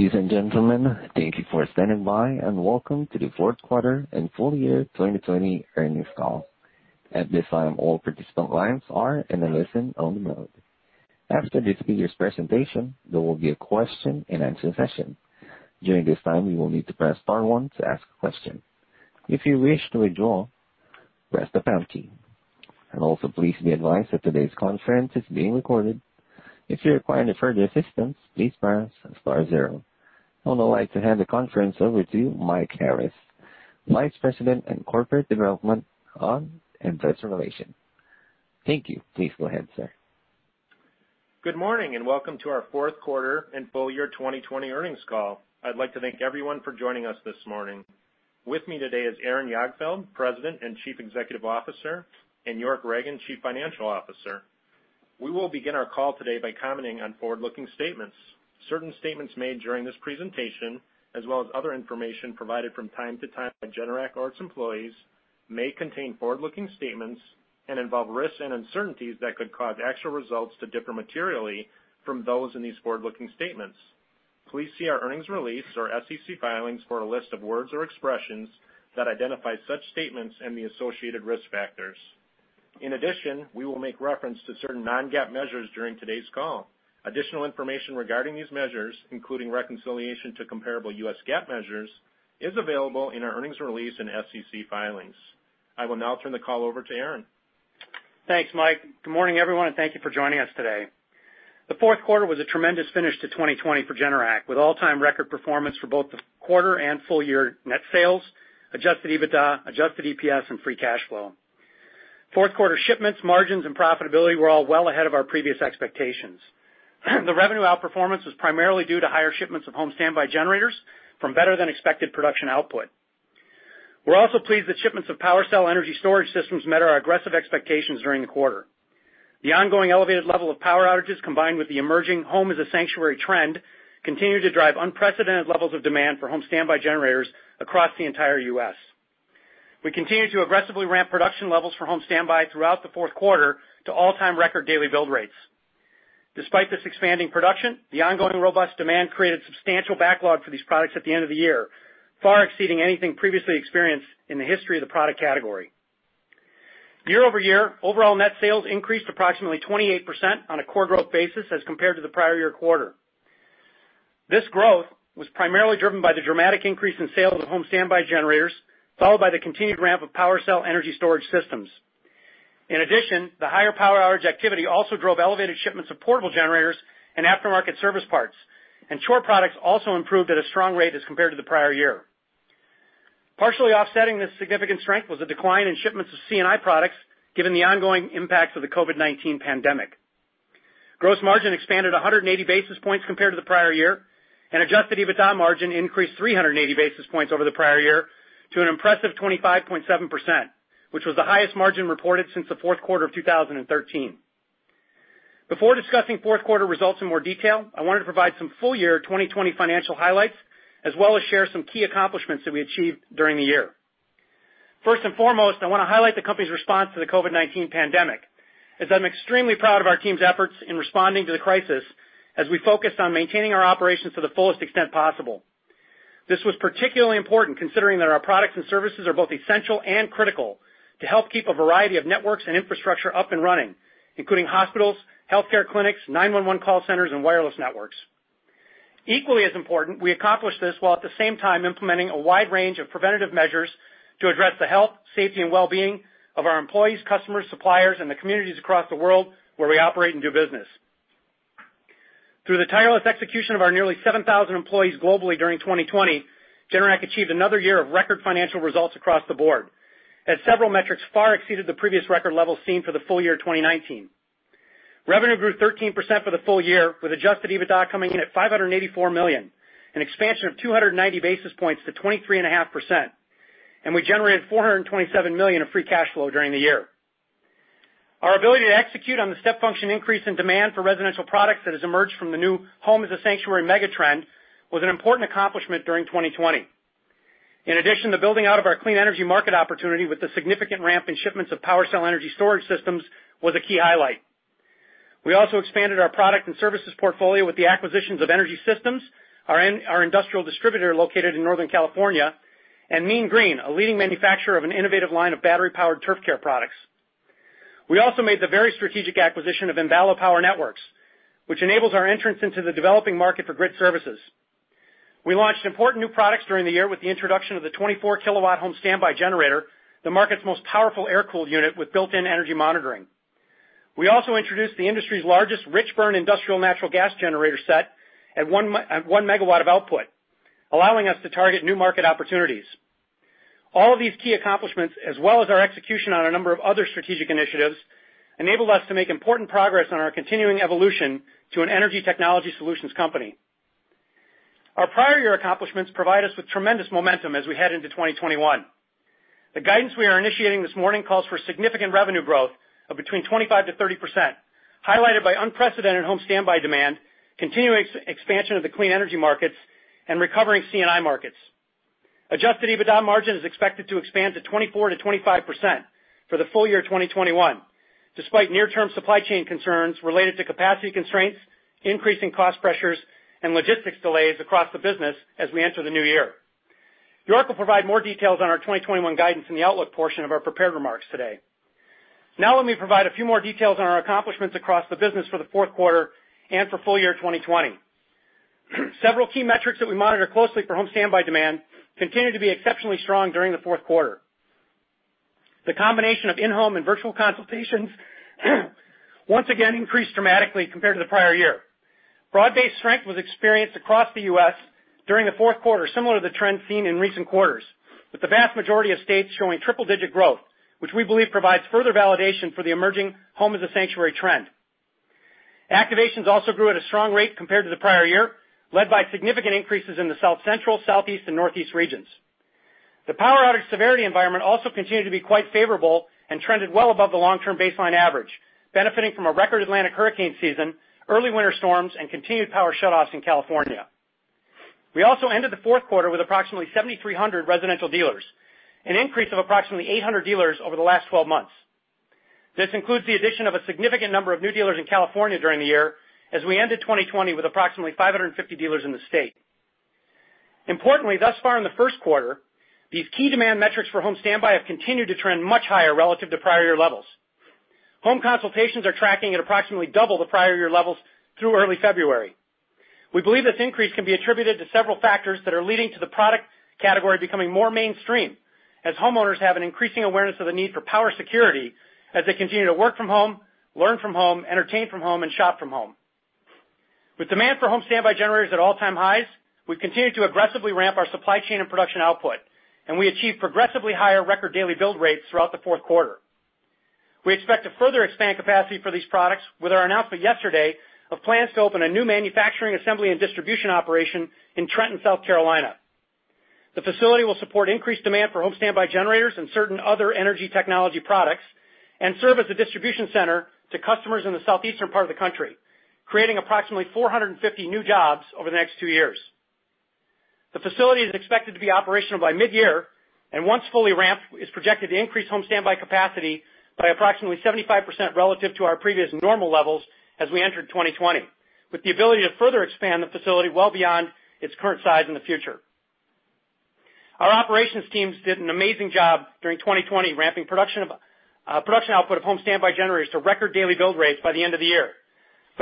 Ladies and gentlemen, thank you for standing by, and welcome to the fourth quarter and full year 2020 earnings call. At this time all participants lines are in a listen-only mode. After the speaker's presentation, there will be a question-and-answer session. During this time you will need to press star one to ask question. If you wish to withdraw, press the pound key. Please be advised that today's conference is being recorded. If you require any further assistance, please press star and zero. I would now like to hand the conference over to you Mike Harris, Vice President and Corporate Development on Investor Relations. Thank you. Please go ahead, sir. Good morning, and welcome to our fourth quarter and full year 2020 earnings call. I'd like to thank everyone for joining us this morning. With me today is Aaron Jagdfeld, President and Chief Executive Officer, and York Ragen, Chief Financial Officer. We will begin our call today by commenting on forward-looking statements. Certain statements made during this presentation, as well as other information provided from time to time by Generac or its employees, may contain forward-looking statements and involve risks and uncertainties that could cause actual results to differ materially from those in these forward-looking statements. Please see our earnings release or SEC filings for a list of words or expressions that identify such statements and the associated risk factors. In addition, we will make reference to certain non-GAAP measures during today's call. Additional information regarding these measures, including reconciliation to comparable U.S. GAAP measures, is available in our earnings release and SEC filings. I will now turn the call over to Aaron. Thanks, Mike. Good morning, everyone, and thank you for joining us today. The fourth quarter was a tremendous finish to 2020 for Generac, with all-time record performance for both the quarter and full-year net sales, adjusted EBITDA, adjusted EPS, and free cash flow. Fourth quarter shipments, margins, and profitability were all well ahead of our previous expectations. The revenue outperformance was primarily due to higher shipments of home standby generators from better than expected production output. We're also pleased that shipments of PWRcell energy storage systems met our aggressive expectations during the quarter. The ongoing elevated level of power outages, combined with the emerging home as a sanctuary trend, continue to drive unprecedented levels of demand for home standby generators across the entire U.S. We continue to aggressively ramp production levels for home standby throughout the fourth quarter to all-time record daily build rates. Despite this expanding production, the ongoing robust demand created substantial backlog for these products at the end of the year, far exceeding anything previously experienced in the history of the product category. Year-over-year, overall net sales increased approximately 28% on a core growth basis as compared to the prior year quarter. This growth was primarily driven by the dramatic increase in sales of home standby generators, followed by the continued ramp of PWRcell energy storage systems. In addition, the higher power outage activity also drove elevated shipments of portable generators and aftermarket service parts, and Chore products also improved at a strong rate as compared to the prior year. Partially offsetting this significant strength was a decline in shipments of C&I products, given the ongoing impacts of the COVID-19 pandemic. Gross margin expanded 180 basis points compared to the prior year, and adjusted EBITDA margin increased 380 basis points over the prior year to an impressive 25.7%, which was the highest margin reported since the fourth quarter of 2013. Before discussing fourth quarter results in more detail, I wanted to provide some full year 2020 financial highlights, as well as share some key accomplishments that we achieved during the year. First and foremost, I want to highlight the company's response to the COVID-19 pandemic, as I'm extremely proud of our team's efforts in responding to the crisis as we focused on maintaining our operations to the fullest extent possible. This was particularly important considering that our products and services are both essential and critical to help keep a variety of networks and infrastructure up and running, including hospitals, healthcare clinics, 911 call centers, and wireless networks. Equally as important, we accomplished this while at the same time implementing a wide range of preventative measures to address the health, safety, and wellbeing of our employees, customers, suppliers, and the communities across the world where we operate and do business. Through the tireless execution of our nearly 7,000 employees globally during 2020, Generac achieved another year of record financial results across the board, as several metrics far exceeded the previous record levels seen for the full year 2019. Revenue grew 13% for the full year, with adjusted EBITDA coming in at $584 million, an expansion of 290 basis points to 23.5%, and we generated $427 million of free cash flow during the year. Our ability to execute on the step function increase in demand for residential products that has emerged from the new home as a sanctuary mega-trend was an important accomplishment during 2020. In addition, the building out of our clean energy market opportunity with the significant ramp in shipments of PWRcell energy storage systems was a key highlight. We also expanded our product and services portfolio with the acquisitions of Energy Systems, our industrial distributor located in Northern California, and Mean Green, a leading manufacturer of an innovative line of battery-powered turf care products. We also made the very strategic acquisition of Enbala Power Networks, which enables our entrance into the developing market for grid services. We launched important new products during the year with the introduction of the 24 kW home standby generator, the market's most powerful air-cooled unit with built-in energy monitoring. We also introduced the industry's largest rich-burn industrial natural gas generator set at 1 MW of output, allowing us to target new market opportunities. All of these key accomplishments, as well as our execution on a number of other strategic initiatives, enabled us to make important progress on our continuing evolution to an energy technology solutions company. Our prior year accomplishments provide us with tremendous momentum as we head into 2021. The guidance we are initiating this morning calls for significant revenue growth of between 25%-30%, highlighted by unprecedented home standby demand, continuing expansion of the clean energy markets, and recovering C&I markets. Adjusted EBITDA margin is expected to expand to 24%-25% for the full year 2021, despite near-term supply chain concerns related to capacity constraints, increasing cost pressures, and logistics delays across the business as we enter the new year. York will provide more details on our 2021 guidance in the outlook portion of our prepared remarks today. Let me provide a few more details on our accomplishments across the business for the fourth quarter and for full year 2020. Several key metrics that we monitor closely for home standby demand continued to be exceptionally strong during the fourth quarter. The combination of in-home and virtual consultations once again increased dramatically compared to the prior year. Broad-based strength was experienced across the U.S. during the fourth quarter, similar to the trend seen in recent quarters, with the vast majority of states showing triple-digit growth, which we believe provides further validation for the emerging home as a sanctuary trend. Activations also grew at a strong rate compared to the prior year, led by significant increases in the South Central, Southeast, and Northeast regions. The power outage severity environment also continued to be quite favorable and trended well above the long-term baseline average, benefiting from a record Atlantic hurricane season, early winter storms, and continued power shutoffs in California. We also ended the fourth quarter with approximately 7,300 residential dealers, an increase of approximately 800 dealers over the last 12 months. This includes the addition of a significant number of new dealers in California during the year as we ended 2020 with approximately 550 dealers in the state. Importantly, thus far in the first quarter, these key demand metrics for home standby have continued to trend much higher relative to prior year levels. Home consultations are tracking at approximately double the prior year levels through early February. We believe this increase can be attributed to several factors that are leading to the product category becoming more mainstream as homeowners have an increasing awareness of the need for power security as they continue to work from home, learn from home, entertain from home, and shop from home. With demand for home standby generators at all-time highs, we've continued to aggressively ramp our supply chain and production output, and we achieved progressively higher record daily build rates throughout the fourth quarter. We expect to further expand capacity for these products with our announcement yesterday of plans to open a new manufacturing, assembly, and distribution operation in Trenton, South Carolina. The facility will support increased demand for home standby generators and certain other energy technology products and serve as a distribution center to customers in the southeastern part of the country, creating approximately 450 new jobs over the next two years. The facility is expected to be operational by mid-year, and once fully ramped, is projected to increase home standby capacity by approximately 75% relative to our previous normal levels as we entered 2020, with the ability to further expand the facility well beyond its current size in the future. Our operations teams did an amazing job during 2020 ramping production output of home standby generators to record daily build rates by the end of the year.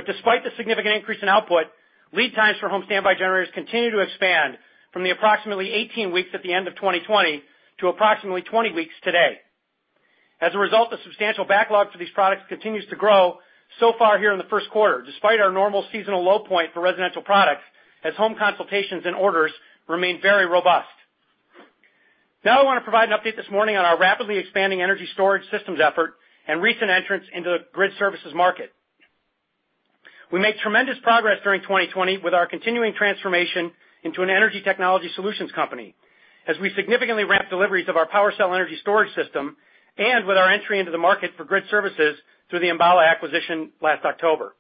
Despite the significant increase in output, lead times for home standby generators continue to expand from the approximately 18 weeks at the end of 2020 to approximately 20 weeks today. The substantial backlog for these products continues to grow so far here in the first quarter, despite our normal seasonal low point for residential products, as home consultations and orders remain very robust. I want to provide an update this morning on our rapidly expanding energy storage systems effort and recent entrance into the grid services market. We made tremendous progress during 2020 with our continuing transformation into an energy technology solutions company as we significantly ramped deliveries of our PWRcell energy storage system and with our entry into the market for grid services through the Enbala acquisition last October.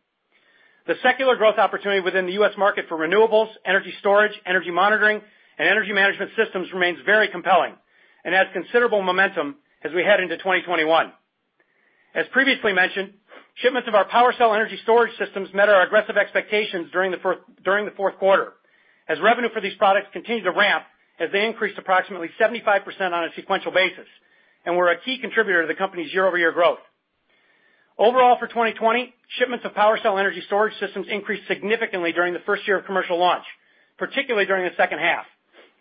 The secular growth opportunity within the U.S. market for renewables, energy storage, energy monitoring, and energy management systems remains very compelling and adds considerable momentum as we head into 2021. As previously mentioned, shipments of our PWRcell energy storage systems met our aggressive expectations during the fourth quarter, as revenue for these products continued to ramp as they increased approximately 75% on a sequential basis, and were a key contributor to the company's year-over-year growth. Overall, for 2020, shipments of PWRcell energy storage systems increased significantly during the first year of commercial launch, particularly during the second half,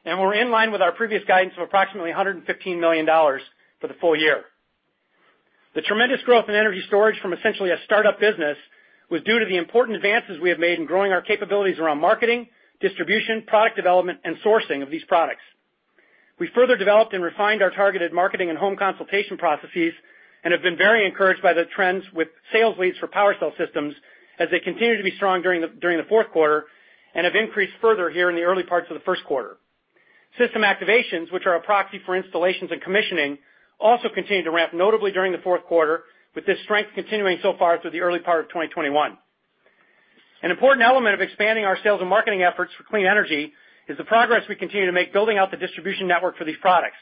and were in line with our previous guidance of approximately $115 million for the full year. The tremendous growth in energy storage from essentially a startup business was due to the important advances we have made in growing our capabilities around marketing, distribution, product development, and sourcing of these products. We further developed and refined our targeted marketing and home consultation processes and have been very encouraged by the trends with sales leads for PWRcell systems as they continued to be strong during the fourth quarter and have increased further here in the early parts of the first quarter. System activations, which are a proxy for installations and commissioning, also continued to ramp notably during the fourth quarter, with this strength continuing so far through the early part of 2021. An important element of expanding our sales and marketing efforts for clean energy is the progress we continue to make building out the distribution network for these products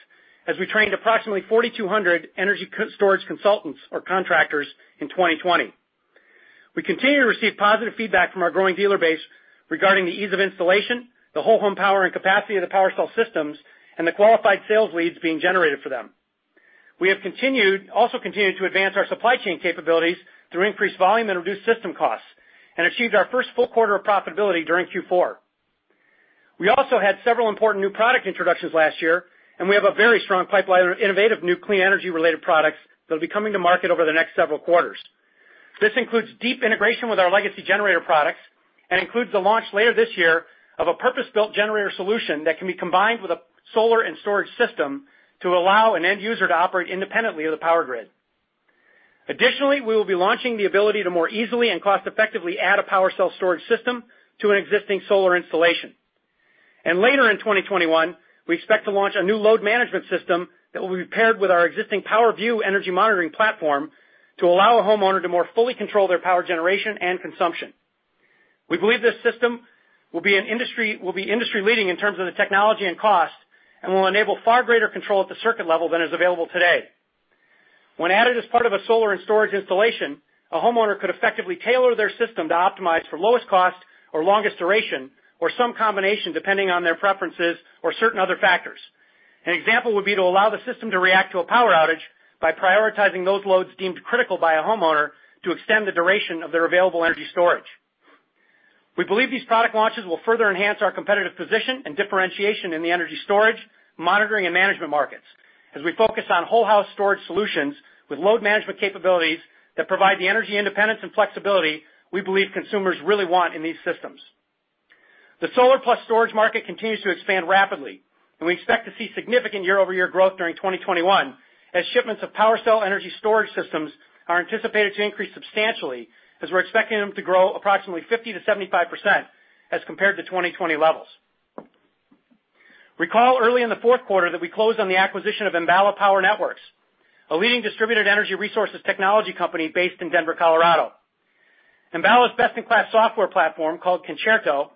as we trained approximately 4,200 energy storage consultants or contractors in 2020. We continue to receive positive feedback from our growing dealer base regarding the ease of installation, the whole home power and capacity of the PWRcell systems, and the qualified sales leads being generated for them. We have also continued to advance our supply chain capabilities through increased volume and reduced system costs and achieved our first full quarter of profitability during Q4. We also had several important new product introductions last year, and we have a very strong pipeline of innovative new clean energy-related products that will be coming to market over the next several quarters. This includes deep integration with our legacy generator products and includes the launch later this year of a purpose-built generator solution that can be combined with a solar and storage system to allow an end user to operate independently of the power grid. Additionally, we will be launching the ability to more easily and cost-effectively add a PWRcell storage system to an existing solar installation. Later in 2021, we expect to launch a new load management system that will be paired with our existing PWRview energy monitoring platform to allow a homeowner to more fully control their power generation and consumption. We believe this system will be industry-leading in terms of the technology and cost and will enable far greater control at the circuit level than is available today. When added as part of a solar and storage installation, a homeowner could effectively tailor their system to optimize for lowest cost or longest duration, or some combination, depending on their preferences or certain other factors. An example would be to allow the system to react to a power outage by prioritizing those loads deemed critical by a homeowner to extend the duration of their available energy storage. We believe these product launches will further enhance our competitive position and differentiation in the energy storage, monitoring, and management markets as we focus on whole house storage solutions with load management capabilities that provide the energy independence and flexibility we believe consumers really want in these systems. The solar plus storage market continues to expand rapidly, and we expect to see significant year-over-year growth during 2021 as shipments of PWRcell energy storage systems are anticipated to increase substantially as we're expecting them to grow approximately 50%-75% as compared to 2020 levels. Recall early in the fourth quarter that we closed on the acquisition of Enbala Power Networks, a leading distributed energy resources technology company based in Denver, Colorado. Enbala's best-in-class software platform, called Concerto,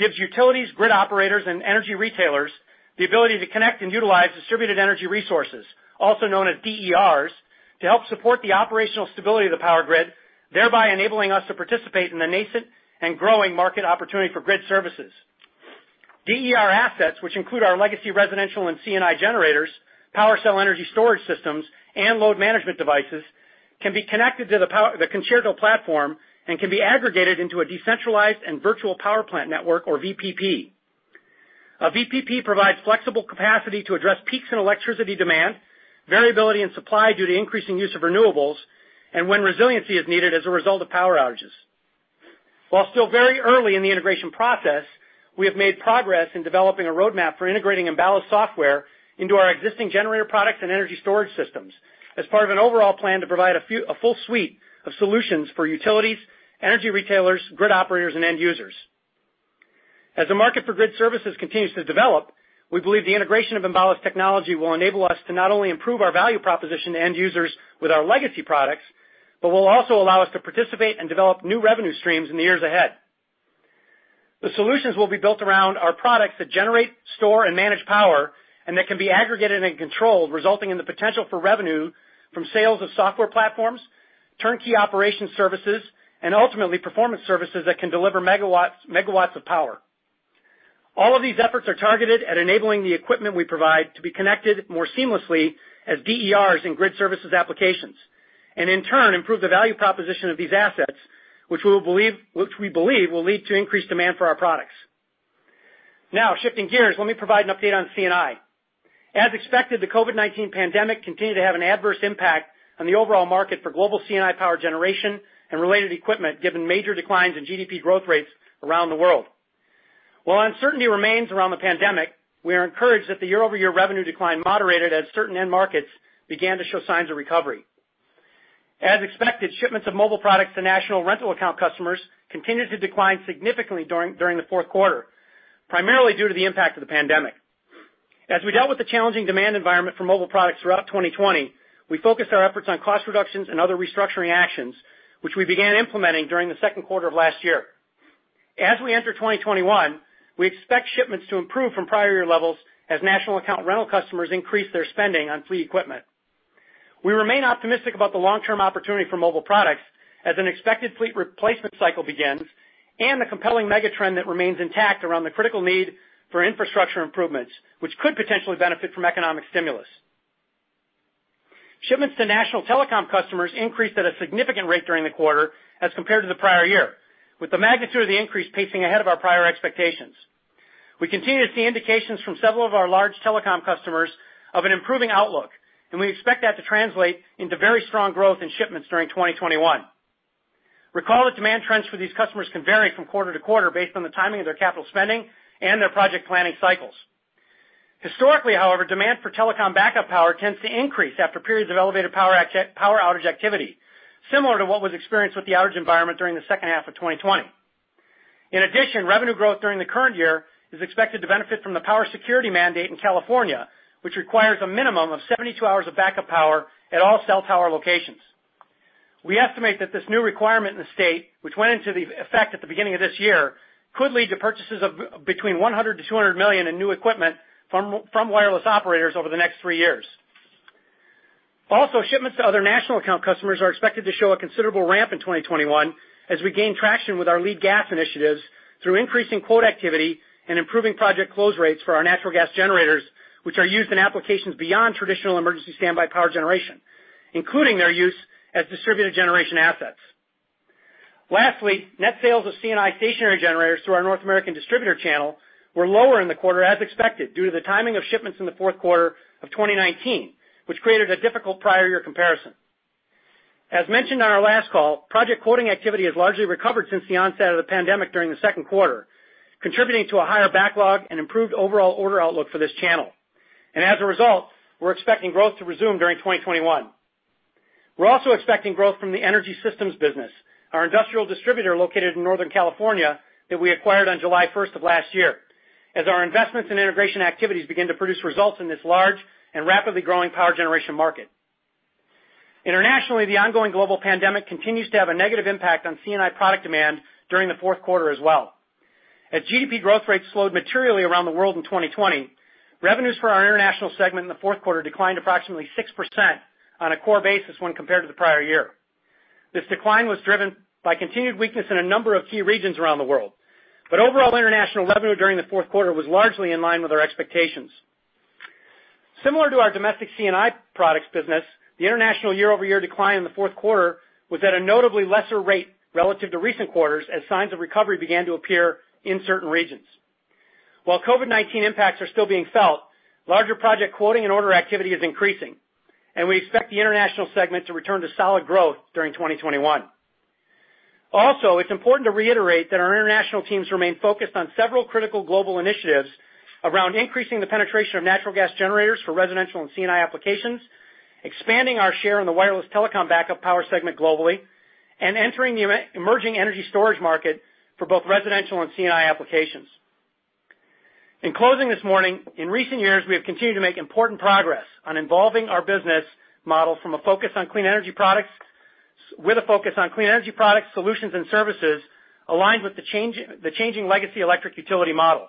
gives utilities, grid operators, and energy retailers the ability to connect and utilize distributed energy resources, also known as DERs, to help support the operational stability of the power grid, thereby enabling us to participate in the nascent and growing market opportunity for grid services. DER assets, which include our legacy residential and C&I generators, PWRcell energy storage systems, and load management devices, can be connected to the Concerto platform and can be aggregated into a decentralized and virtual power plant network or VPP. A VPP provides flexible capacity to address peaks in electricity demand, variability in supply due to increasing use of renewables, and when resiliency is needed as a result of power outages. While still very early in the integration process, we have made progress in developing a roadmap for integrating Enbala's software into our existing generator products and energy storage systems as part of an overall plan to provide a full suite of solutions for utilities, energy retailers, grid operators, and end users. As the market for grid services continues to develop, we believe the integration of Enbala's technology will enable us to not only improve our value proposition to end users with our legacy products, but will also allow us to participate and develop new revenue streams in the years ahead. The solutions will be built around our products that generate, store, and manage power and that can be aggregated and controlled, resulting in the potential for revenue from sales of software platforms, turnkey operation services, and ultimately performance services that can deliver megawatts of power. All of these efforts are targeted at enabling the equipment we provide to be connected more seamlessly as DERs in grid services applications, and in turn, improve the value proposition of these assets, which we believe will lead to increased demand for our products. Now, shifting gears, let me provide an update on C&I. As expected, the COVID-19 pandemic continued to have an adverse impact on the overall market for global C&I power generation and related equipment, given major declines in GDP growth rates around the world. While uncertainty remains around the pandemic, we are encouraged that the year-over-year revenue decline moderated as certain end markets began to show signs of recovery. As expected, shipments of mobile products to national rental account customers continued to decline significantly during the fourth quarter, primarily due to the impact of the pandemic. As we dealt with the challenging demand environment for mobile products throughout 2020, we focused our efforts on cost reductions and other restructuring actions, which we began implementing during the second quarter of last year. As we enter 2021, we expect shipments to improve from prior year levels as national account rental customers increase their spending on fleet equipment. We remain optimistic about the long-term opportunity for mobile products as an expected fleet replacement cycle begins and the compelling megatrend that remains intact around the critical need for infrastructure improvements, which could potentially benefit from economic stimulus. Shipments to national telecom customers increased at a significant rate during the quarter as compared to the prior year, with the magnitude of the increase pacing ahead of our prior expectations. We continue to see indications from several of our large telecom customers of an improving outlook. We expect that to translate into very strong growth in shipments during 2021. Recall that demand trends for these customers can vary from quarter to quarter based on the timing of their capital spending and their project planning cycles. Historically, however, demand for telecom backup power tends to increase after periods of elevated power outage activity, similar to what was experienced with the outage environment during the second half of 2020. In addition, revenue growth during the current year is expected to benefit from the power security mandate in California, which requires a minimum of 72 hours of backup power at all cell tower locations. We estimate that this new requirement in the state, which went into effect at the beginning of this year, could lead to purchases of between $100 million-$200 million in new equipment from wireless operators over the next three years. Shipments to other national account customers are expected to show a considerable ramp in 2021 as we gain traction with our lead gen initiatives through increasing quote activity and improving project close rates for our natural gas generators, which are used in applications beyond traditional emergency standby power generation, including their use as distributed generation assets. Net sales of C&I stationary generators through our North American distributor channel were lower in the quarter as expected due to the timing of shipments in the fourth quarter of 2019, which created a difficult prior year comparison. As mentioned on our last call, project quoting activity has largely recovered since the onset of the pandemic during the second quarter, contributing to a higher backlog and improved overall order outlook for this channel. As a result, we're expecting growth to resume during 2021. We're also expecting growth from the Energy Systems business, our industrial distributor located in Northern California that we acquired on July 1st of last year as our investments in integration activities begin to produce results in this large and rapidly growing power generation market. Internationally, the ongoing global pandemic continues to have a negative impact on C&I product demand during the fourth quarter as well. As GDP growth rates slowed materially around the world in 2020, revenues for our international segment in the fourth quarter declined approximately 6% on a core basis when compared to the prior year. This decline was driven by continued weakness in a number of key regions around the world, but overall international revenue during the fourth quarter was largely in line with our expectations. Similar to our domestic C&I products business, the international year-over-year decline in the fourth quarter was at a notably lesser rate relative to recent quarters as signs of recovery began to appear in certain regions. While COVID-19 impacts are still being felt, larger project quoting and order activity is increasing, and we expect the international segment to return to solid growth during 2021. It's important to reiterate that our international teams remain focused on several critical global initiatives around increasing the penetration of natural gas generators for residential and C&I applications, expanding our share in the wireless telecom backup power segment globally, and entering the emerging energy storage market for both residential and C&I applications. In closing this morning, in recent years, we have continued to make important progress on involving our business model with a focus on clean energy products, solutions, and services aligned with the changing legacy electric utility model.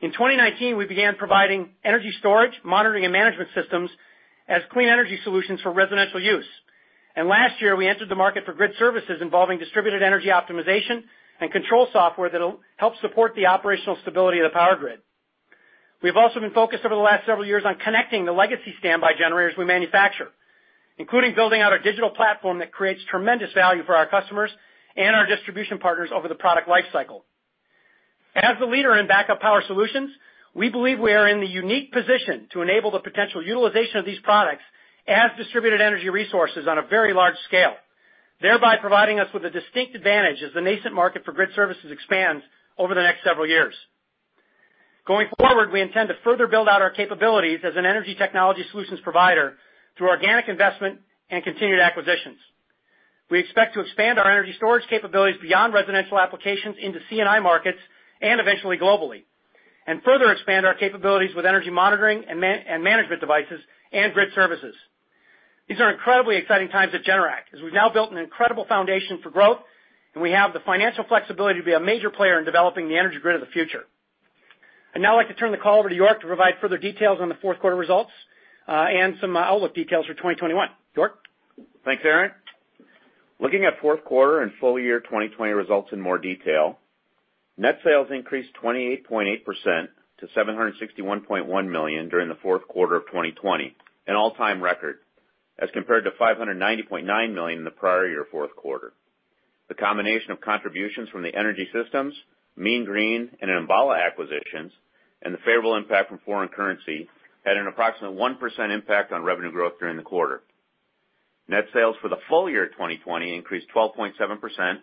In 2019, we began providing energy storage, monitoring, and management systems as clean energy solutions for residential use. Last year, we entered the market for grid services involving distributed energy optimization and control software that'll help support the operational stability of the power grid. We've also been focused over the last several years on connecting the legacy standby generators we manufacture, including building out a digital platform that creates tremendous value for our customers and our distribution partners over the product life cycle. As the leader in backup power solutions, we believe we are in the unique position to enable the potential utilization of these products as distributed energy resources on a very large scale, thereby providing us with a distinct advantage as the nascent market for grid services expands over the next several years. Going forward, we intend to further build out our capabilities as an energy technology solutions provider through organic investment and continued acquisitions. We expect to expand our energy storage capabilities beyond residential applications into C&I markets and eventually globally, and further expand our capabilities with energy monitoring and management devices and grid services. These are incredibly exciting times at Generac, as we've now built an incredible foundation for growth, and we have the financial flexibility to be a major player in developing the energy grid of the future. I'd now like to turn the call over to York to provide further details on the fourth quarter results, and some outlook details for 2021. York? Thanks, Aaron. Looking at fourth quarter and full year 2020 results in more detail, net sales increased 28.8% to $761.1 million during the fourth quarter of 2020, an all-time record, as compared to $590.9 million in the prior year fourth quarter. The combination of contributions from the Energy Systems, Mean Green, and Enbala acquisitions, and the favorable impact from foreign currency, had an approximate 1% impact on revenue growth during the quarter. Net sales for the full year 2020 increased 12.7%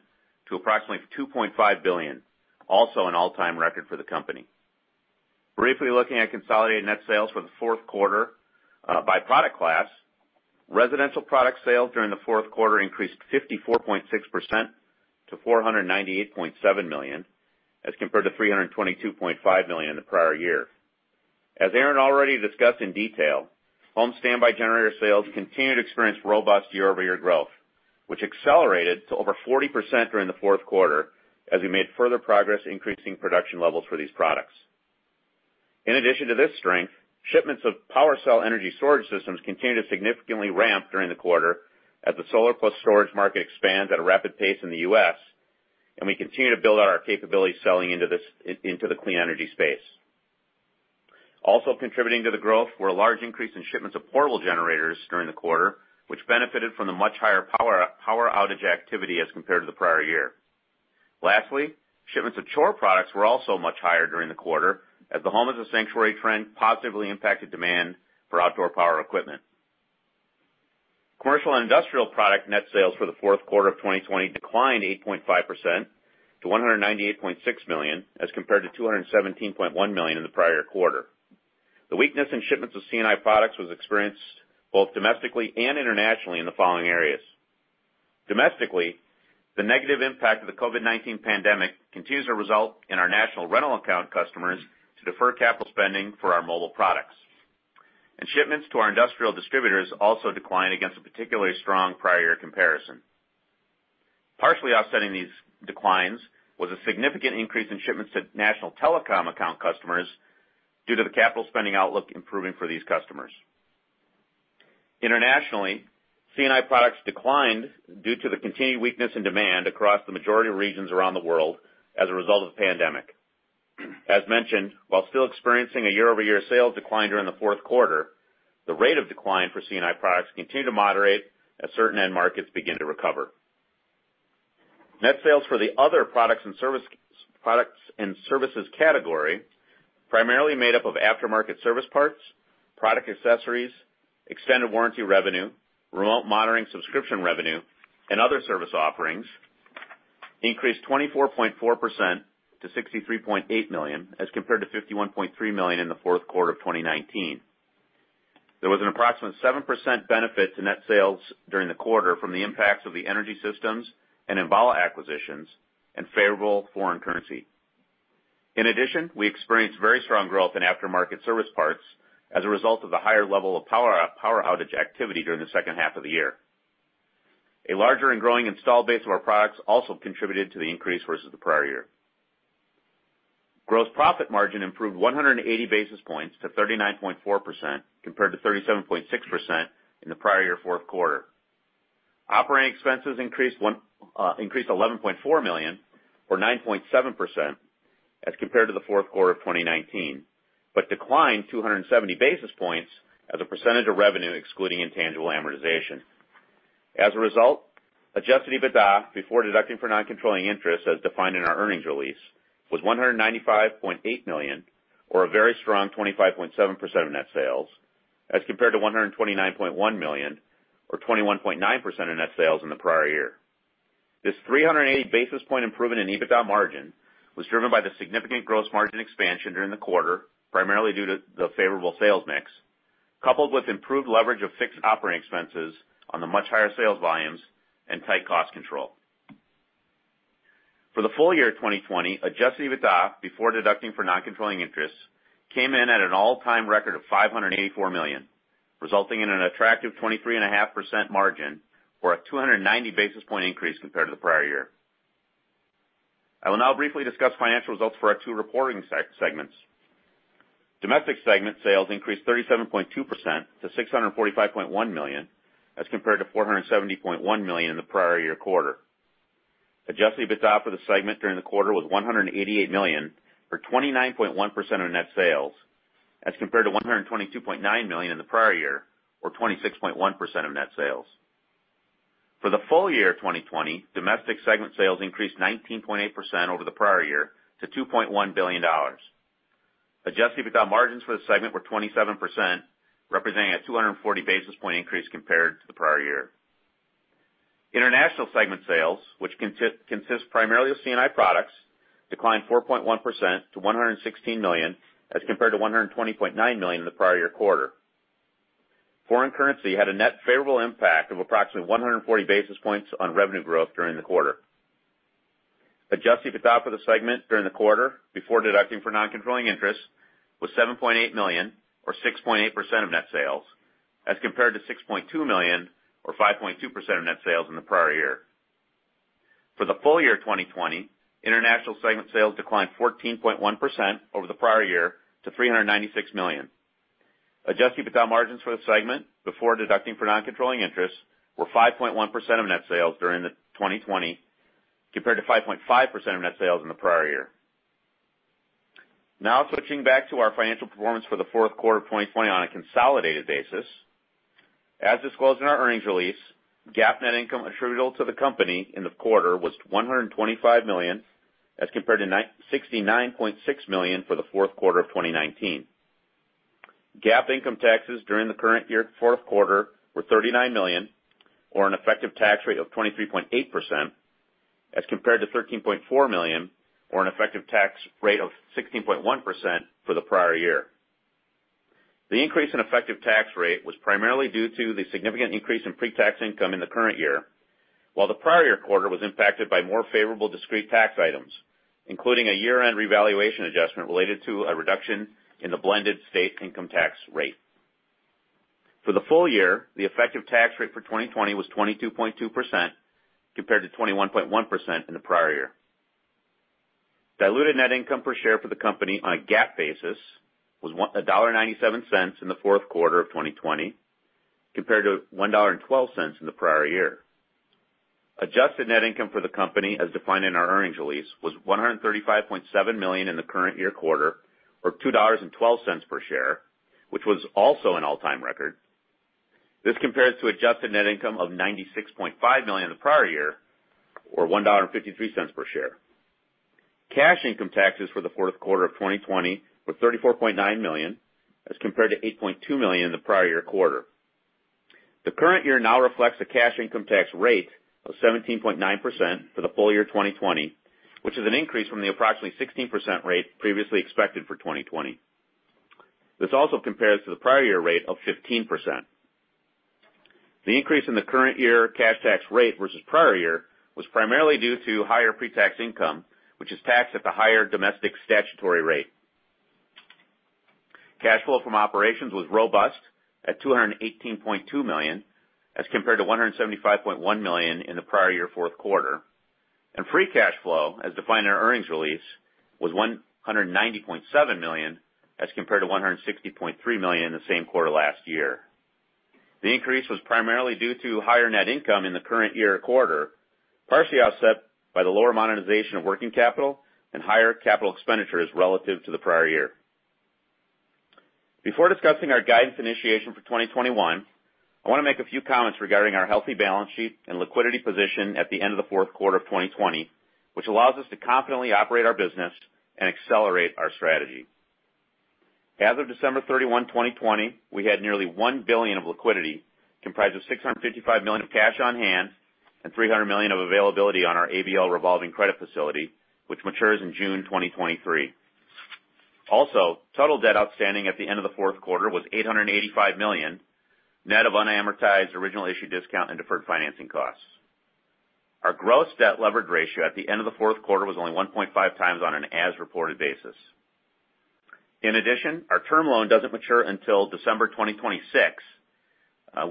to approximately $2.5 billion, also an all-time record for the company. Briefly looking at consolidated net sales for the fourth quarter by product class, residential product sales during the fourth quarter increased 54.6% to $498.7 million, as compared to $322.5 million in the prior year. As Aaron already discussed in detail, home standby generator sales continued to experience robust year-over-year growth, which accelerated to over 40% during the fourth quarter as we made further progress increasing production levels for these products. In addition to this strength, shipments of PWRcell energy storage systems continued to significantly ramp during the quarter as the solar plus storage market expands at a rapid pace in the U.S., and we continue to build out our capabilities selling into the clean energy space. Also contributing to the growth were a large increase in shipments of portable generators during the quarter, which benefited from the much higher power outage activity as compared to the prior year. Lastly, shipments of Chore products were also much higher during the quarter as the home as a sanctuary trend positively impacted demand for outdoor power equipment. Commercial and industrial product net sales for the fourth quarter of 2020 declined 8.5% to $198.6 million as compared to $217.1 million in the prior quarter. The weakness in shipments of C&I products was experienced both domestically and internationally in the following areas. Domestically, the negative impact of the COVID-19 pandemic continues to result in our national rental account customers to defer capital spending for our mobile products. Shipments to our industrial distributors also declined against a particularly strong prior year comparison. Partially offsetting these declines was a significant increase in shipments to national telecom account customers due to the capital spending outlook improving for these customers. Internationally, C&I products declined due to the continued weakness in demand across the majority of regions around the world as a result of the pandemic. As mentioned, while still experiencing a year-over-year sales decline during the fourth quarter, the rate of decline for C&I products continued to moderate as certain end markets begin to recover. Net sales for the other products and services category, primarily made up of aftermarket service parts, product accessories, extended warranty revenue, remote monitoring subscription revenue, and other service offerings, increased 24.4% to $63.8 million as compared to $51.3 million in the fourth quarter of 2019. There was an approximate 7% benefit to net sales during the quarter from the impacts of the Energy Systems and Enbala acquisitions and favorable foreign currency. In addition, we experienced very strong growth in aftermarket service parts as a result of the higher level of power outage activity during the second half of the year. A larger and growing installed base of our products also contributed to the increase versus the prior year. Gross profit margin improved 180 basis points to 39.4%, compared to 37.6% in the prior year fourth quarter. Operating expenses increased $11.4 million, or 9.7%, as compared to the fourth quarter of 2019, but declined 270 basis points as a percentage of revenue excluding intangible amortization. As a result, adjusted EBITDA, before deducting for non-controlling interest, as defined in our earnings release, was $195.8 million, or a very strong 25.7% of net sales, as compared to $129.1 million, or 21.9% of net sales in the prior year. This 380 basis point improvement in EBITDA margin was driven by the significant gross margin expansion during the quarter, primarily due to the favorable sales mix, coupled with improved leverage of fixed operating expenses on the much higher sales volumes and tight cost control. For the full year of 2020, Adjusted EBITDA before deducting for non-controlling interests, came in at an all-time record of $584 million, resulting in an attractive 23.5% margin, or a 290 basis point increase compared to the prior year. I will now briefly discuss financial results for our two reporting segments. Domestic segment sales increased 37.2% to $645.1 million, as compared to $470.1 million in the prior year quarter. Adjusted EBITDA for the segment during the quarter was $188 million, or 29.1% of net sales, as compared to $122.9 million in the prior year, or 26.1% of net sales. For the full year of 2020, domestic segment sales increased 19.8% over the prior year to $2.1 billion. Adjusted EBITDA margins for the segment were 27%, representing a 240 basis point increase compared to the prior year. International Segment sales, which consists primarily of C&I products, declined 4.1% to $116 million, as compared to $120.9 million in the prior year quarter. Foreign currency had a net favorable impact of approximately 140 basis points on revenue growth during the quarter. Adjusted EBITDA for the segment during the quarter, before deducting for non-controlling interest, was $7.8 million, or 6.8% of net sales, as compared to $6.2 million, or 5.2% of net sales in the prior year. For the full year of 2020, International Segment sales declined 14.1% over the prior year to $396 million. Adjusted EBITDA margins for the segment before deducting for non-controlling interests were 5.1% of net sales during 2020, compared to 5.5% of net sales in the prior year. Switching back to our financial performance for the fourth quarter of 2020 on a consolidated basis. As disclosed in our earnings release, GAAP net income attributable to the company in the quarter was $125 million, as compared to $69.6 million for the fourth quarter of 2019. GAAP income taxes during the current year fourth quarter were $39 million, or an effective tax rate of 23.8%, as compared to $13.4 million, or an effective tax rate of 16.1% for the prior year. The increase in effective tax rate was primarily due to the significant increase in pre-tax income in the current year, while the prior year quarter was impacted by more favorable discrete tax items, including a year-end revaluation adjustment related to a reduction in the blended state income tax rate. For the full year, the effective tax rate for 2020 was 22.2%, compared to 21.1% in the prior year. Diluted net income per share for the company on a GAAP basis was $1.97 in the fourth quarter of 2020, compared to $1.12 in the prior year. Adjusted net income for the company, as defined in our earnings release, was $135.7 million in the current year quarter, or $2.12 per share, which was also an all-time record. This compares to adjusted net income of $96.5 million in the prior year, or $1.53 per share. Cash income taxes for the fourth quarter of 2020 were $34.9 million, as compared to $8.2 million in the prior year quarter. The current year now reflects a cash income tax rate of 17.9% for the full year 2020, which is an increase from the approximately 16% rate previously expected for 2020. This also compares to the prior year rate of 15%. The increase in the current year cash tax rate versus prior year was primarily due to higher pre-tax income, which is taxed at the higher domestic statutory rate. Cash flow from operations was robust at $218.2 million, as compared to $175.1 million in the prior year fourth quarter. Free cash flow, as defined in our earnings release, was $190.7 million, as compared to $160.3 million in the same quarter last year. The increase was primarily due to higher net income in the current year quarter, partially offset by the lower monetization of working capital and higher capital expenditures relative to the prior year. Before discussing our guidance initiation for 2021, I want to make a few comments regarding our healthy balance sheet and liquidity position at the end of the fourth quarter of 2020, which allows us to confidently operate our business and accelerate our strategy. As of December 31, 2020, we had nearly $1 billion of liquidity, comprised of $655 million of cash on hand and $300 million of availability on our ABL revolving credit facility, which matures in June 2023. Total debt outstanding at the end of the fourth quarter was $885 million, net of unamortized original issue discount and deferred financing costs. Our gross debt leverage ratio at the end of the fourth quarter was only 1.5 times on an as-reported basis. In addition, our term loan doesn't mature until December 2026.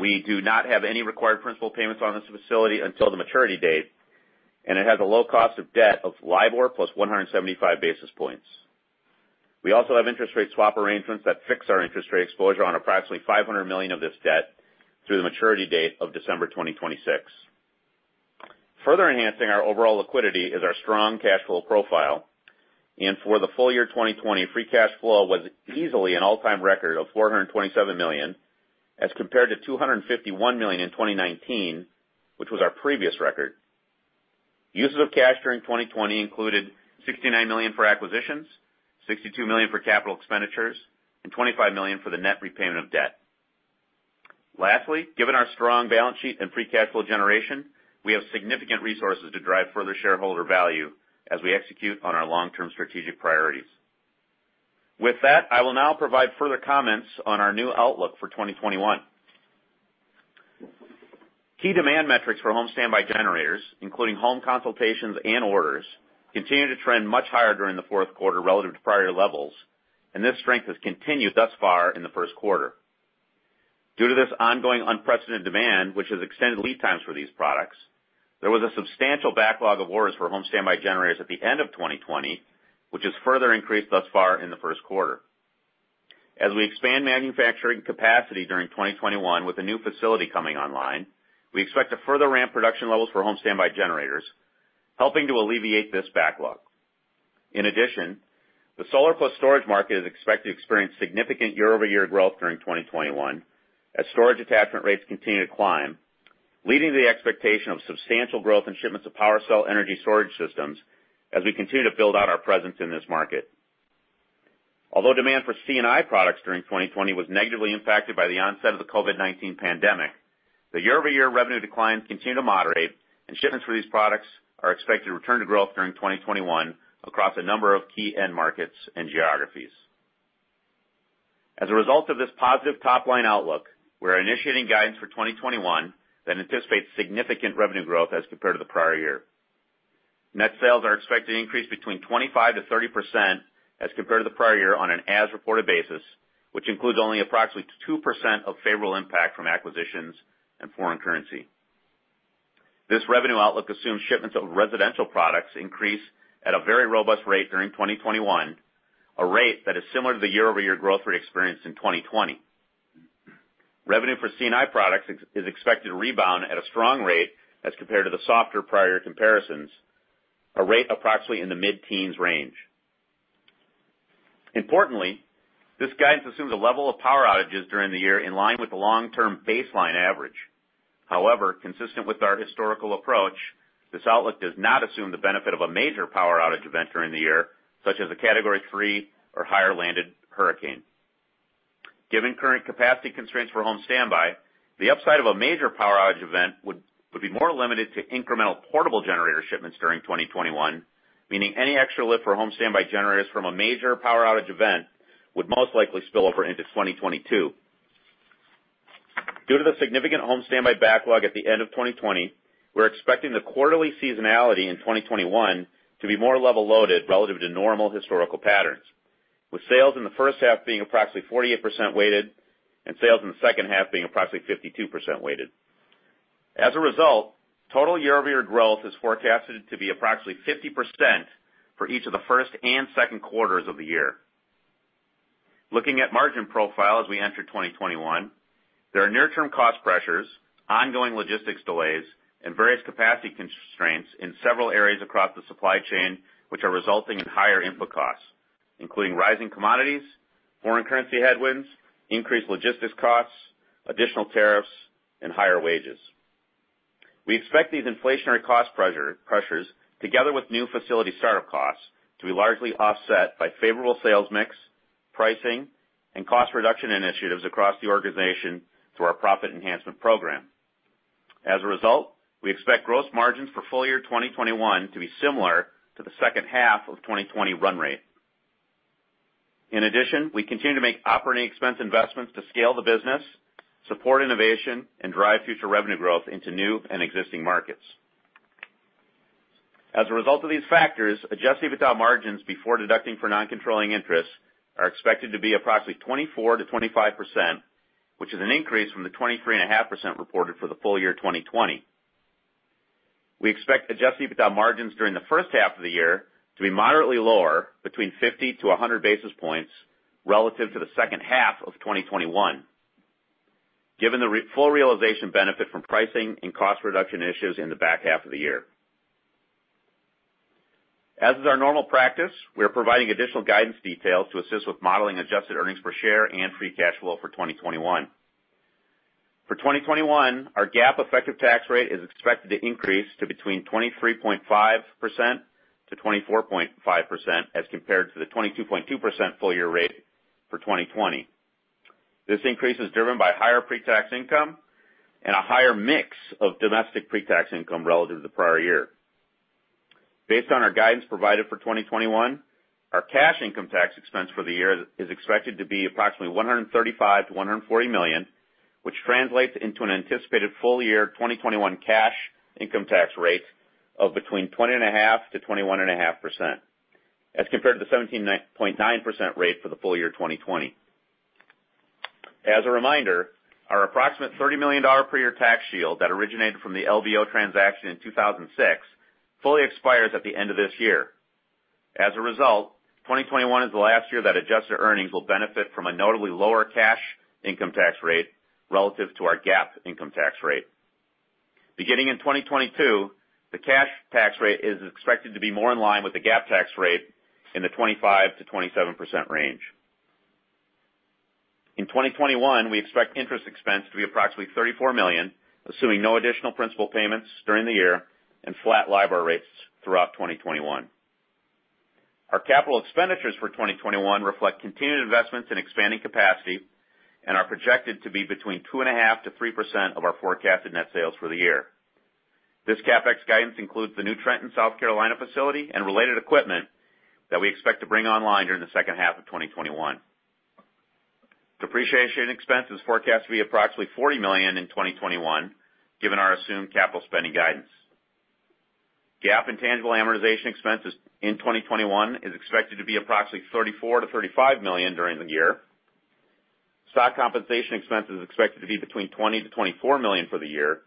We do not have any required principal payments on this facility until the maturity date, and it has a low cost of debt of LIBOR plus 175 basis points. We also have interest rate swap arrangements that fix our interest rate exposure on approximately $500 million of this debt through the maturity date of December 2026. Further enhancing our overall liquidity is our strong cash flow profile. For the full year 2020, free cash flow was easily an all-time record of $427 million as compared to $251 million in 2019, which was our previous record. Uses of cash during 2020 included $69 million for acquisitions, $62 million for capital expenditures, and $25 million for the net repayment of debt. Lastly, given our strong balance sheet and free cash flow generation, we have significant resources to drive further shareholder value as we execute on our long-term strategic priorities. With that, I will now provide further comments on our new outlook for 2021. Key demand metrics for home standby generators, including home consultations and orders, continued to trend much higher during the fourth quarter relative to prior levels, and this strength has continued thus far in the first quarter. Due to this ongoing unprecedented demand, which has extended lead times for these products, there was a substantial backlog of orders for home standby generators at the end of 2020, which has further increased thus far in the first quarter. As we expand manufacturing capacity during 2021 with a new facility coming online, we expect to further ramp production levels for home standby generators, helping to alleviate this backlog. The solar plus storage market is expected to experience significant year-over-year growth during 2021 as storage attachment rates continue to climb, leading to the expectation of substantial growth in shipments of PWRcell energy storage systems as we continue to build out our presence in this market. Although demand for C&I products during 2020 was negatively impacted by the onset of the COVID-19 pandemic, the year-over-year revenue declines continue to moderate and shipments for these products are expected to return to growth during 2021 across a number of key end markets and geographies. As a result of this positive top-line outlook, we are initiating guidance for 2021 that anticipates significant revenue growth as compared to the prior year. Net sales are expected to increase between 25%-30% as compared to the prior year on an as-reported basis, which includes only approximately 2% of favorable impact from acquisitions and foreign currency. This revenue outlook assumes shipments of residential products increase at a very robust rate during 2021, a rate that is similar to the year-over-year growth rate experienced in 2020. Revenue for C&I products is expected to rebound at a strong rate as compared to the softer prior year comparisons, a rate approximately in the mid-teens range. Importantly, this guidance assumes a level of power outages during the year in line with the long-term baseline average. However, consistent with our historical approach, this outlook does not assume the benefit of a major power outage event during the year, such as a category three or higher landed hurricane. Given current capacity constraints for home standby, the upside of a major power outage event would be more limited to incremental portable generator shipments during 2021, meaning any extra lift for home standby generators from a major power outage event would most likely spill over into 2022. Due to the significant home standby backlog at the end of 2020, we're expecting the quarterly seasonality in 2021 to be more level-loaded relative to normal historical patterns, with sales in the first half being approximately 48% weighted and sales in the second half being approximately 52% weighted. As a result, total year-over-year growth is forecasted to be approximately 50% for each of the first and second quarters of the year. Looking at margin profile as we enter 2021, there are near-term cost pressures, ongoing logistics delays, and various capacity constraints in several areas across the supply chain, which are resulting in higher input costs, including rising commodities, foreign currency headwinds, increased logistics costs, additional tariffs, and higher wages. We expect these inflationary cost pressures together with new facility startup costs to be largely offset by favorable sales mix, pricing, and cost reduction initiatives across the organization through our Profit Enhancement Program. As a result, we expect gross margins for full year 2021 to be similar to the second half of 2020 run rate. In addition, we continue to make operating expense investments to scale the business, support innovation, and drive future revenue growth into new and existing markets. As a result of these factors, adjusted EBITDA margins before deducting for non-controlling interests are expected to be approximately 24%-25%, which is an increase from the 23.5% reported for the full year 2020. We expect adjusted EBITDA margins during the first half of the year to be moderately lower, between 50 to 100 basis points, relative to the second half of 2021, given the full realization benefit from pricing and cost reduction initiatives in the back half of the year. As is our normal practice, we are providing additional guidance details to assist with modeling adjusted earnings per share and free cash flow for 2021. For 2021, our GAAP effective tax rate is expected to increase to between 23.5%-24.5% as compared to the 22.2% full year rate for 2020. This increase is driven by higher pre-tax income and a higher mix of domestic pre-tax income relative to the prior year. Based on our guidance provided for 2021, our cash income tax expense for the year is expected to be approximately $135 million-$140 million, which translates into an anticipated full-year 2021 cash income tax rate of between 20.5%-21.5%, as compared to the 17.9% rate for the full year 2020. As a reminder, our approximate $30 million per year tax shield that originated from the LBO transaction in 2006 fully expires at the end of this year. As a result, 2021 is the last year that adjusted earnings will benefit from a notably lower cash income tax rate relative to our GAAP income tax rate. Beginning in 2022, the cash tax rate is expected to be more in line with the GAAP tax rate in the 25%-27% range. In 2021, we expect interest expense to be approximately $34 million, assuming no additional principal payments during the year and flat LIBOR rates throughout 2021. Our capital expenditures for 2021 reflect continued investments in expanding capacity and are projected to be between 2.5%-3% of our forecasted net sales for the year. This CapEx guidance includes the new Trenton, South Carolina facility and related equipment that we expect to bring online during the second half of 2021. Depreciation expense is forecast to be approximately $40 million in 2021, given our assumed capital spending guidance. GAAP intangible amortization expenses in 2021 is expected to be approximately $34 million-$35 million during the year. Stock compensation expense is expected to be $20 million-$24 million for the year.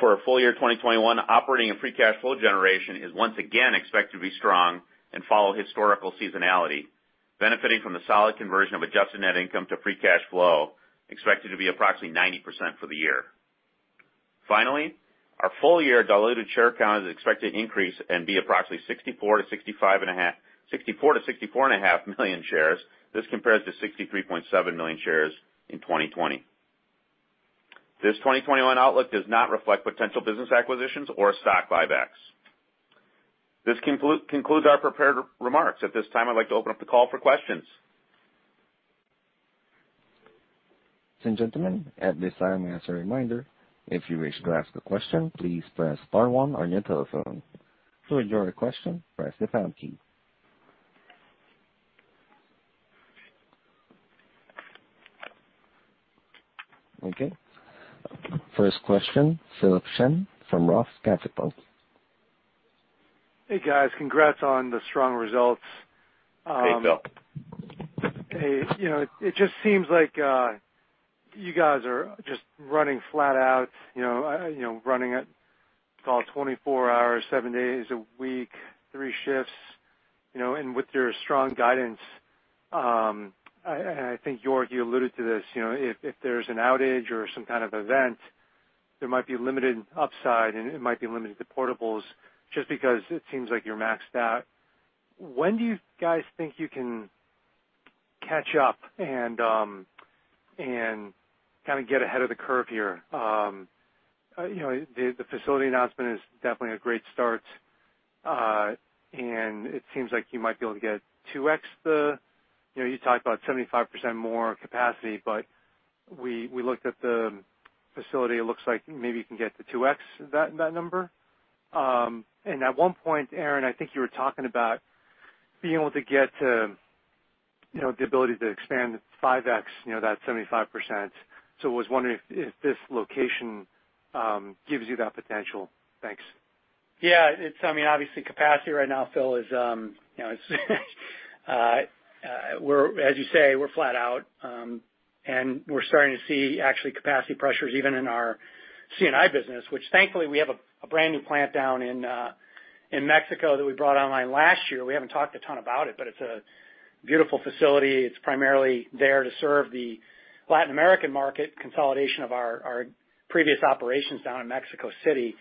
For our full year 2021 operating and free cash flow generation is once again expected to be strong and follow historical seasonality, benefiting from the solid conversion of adjusted net income to free cash flow, expected to be approximately 90% for the year. Finally, our full-year diluted share count is expected to increase and be approximately 64 million-64.5 million shares. This compares to 63.7 million shares in 2020. This 2021 outlook does not reflect potential business acquisitions or stock buybacks. This concludes our prepared remarks. At this time, I'd like to open up the call for questions. Ladies and gentlemen, at this time, as a reminder, if you wish to ask a question, please press star one on your telephone. To withdraw your question, press the pound key. Okay. First question, Philip Shen from Roth Capital. Hey, guys. Congrats on the strong results. Hey, Phil. Hey. It just seems like you guys are just running flat out, running it all 24 hours, seven days a week, three shifts, and with your strong guidance. I think, York, you alluded to this, if there's an outage or some kind of event, there might be limited upside, and it might be limited to portables just because it seems like you're maxed out. When do you guys think you can catch up and kind of get ahead of the curve here? The facility announcement is definitely a great start. It seems like you might be able to get 2x the, you talked about 75% more capacity, but we looked at the facility. It looks like maybe you can get to 2x that number. At one point, Aaron, I think you were talking about being able to get the ability to expand 5x that 75%. I was wondering if this location gives you that potential. Thanks. Yeah. Obviously, capacity right now, Phil, as you say, we're flat out. We're starting to see actually capacity pressures even in our C&I business, which thankfully we have a brand new plant down in Mexico that we brought online last year. We haven't talked a ton about it, but it's a beautiful facility. It's primarily there to serve the Latin American market consolidation of our previous operations down in Mexico City.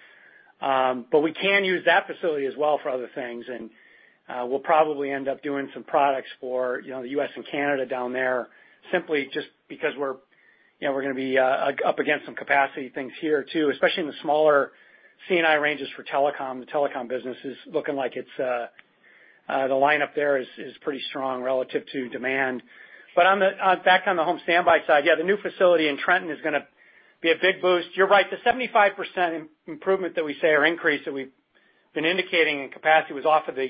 We can use that facility as well for other things, and we'll probably end up doing some products for the U.S. and Canada down there simply just because we're going to be up against some capacity things here too, especially in the smaller C&I ranges for telecom. The telecom business is looking like the lineup there is pretty strong relative to demand. Back on the home standby side, yeah, the new facility in Trenton is going to be a big boost. You're right, the 75% improvement that we say or increase that we've been indicating in capacity was off of the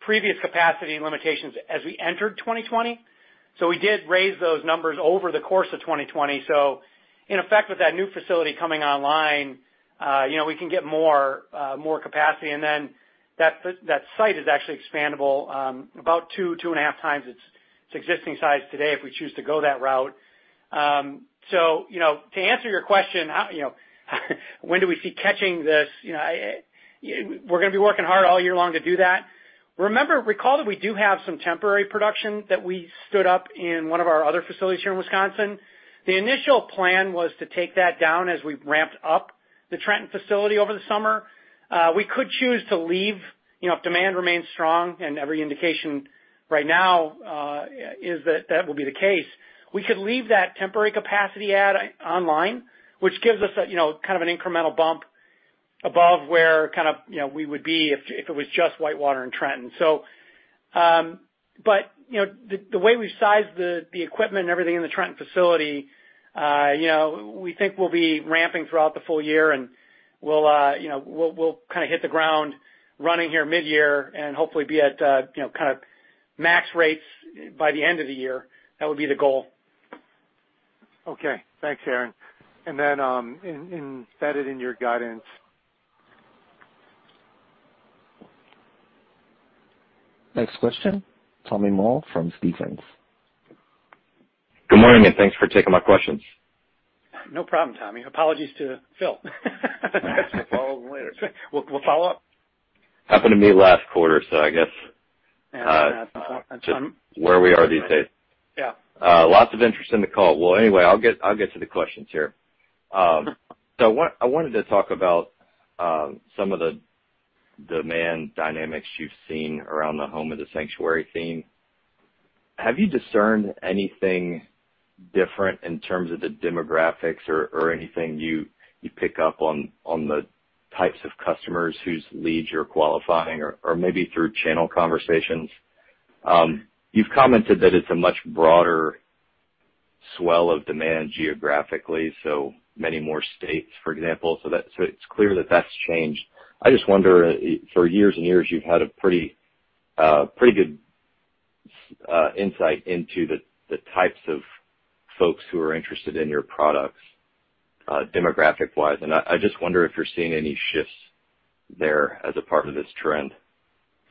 previous capacity limitations as we entered 2020. We did raise those numbers over the course of 2020. In effect with that new facility coming online we can get more capacity, and then that site is actually expandable about two and a half times its existing size today if we choose to go that route. To answer your question, when do we see catching this? We're going to be working hard all year long to do that. Recall that we do have some temporary production that we stood up in one of our other facilities here in Wisconsin. The initial plan was to take that down as we ramped up the Trenton facility over the summer. We could choose to leave, if demand remains strong, and every indication right now is that that will be the case. We could leave that temporary capacity add online, which gives us kind of an incremental bump above where we would be if it was just Whitewater and Trenton. The way we've sized the equipment and everything in the Trenton facility, we think we'll be ramping throughout the full year, and we'll hit the ground running here mid-year, and hopefully be at max rates by the end of the year. That would be the goal. Okay. Thanks, Aaron. Embed it in your guidance. Next question, Tommy Moll from Stephens. Good morning. Thanks for taking my questions. No problem, Tommy. Apologies to Phil. We'll follow up later. We'll follow up. Happened to me last quarter, I guess. Yeah. Just where we are these days. Yeah. Lots of interest in the call. Anyway, I'll get to the questions here. I wanted to talk about some of the demand dynamics you've seen around the home as a sanctuary theme. Have you discerned anything different in terms of the demographics or anything you pick up on the types of customers whose leads you're qualifying, or maybe through channel conversations? You've commented that it's a much broader swell of demand geographically, so many more states, for example. It's clear that that's changed. I just wonder, for years and years, you've had a pretty good insight into the types of folks who are interested in your products demographic-wise, and I just wonder if you're seeing any shifts there as a part of this trend.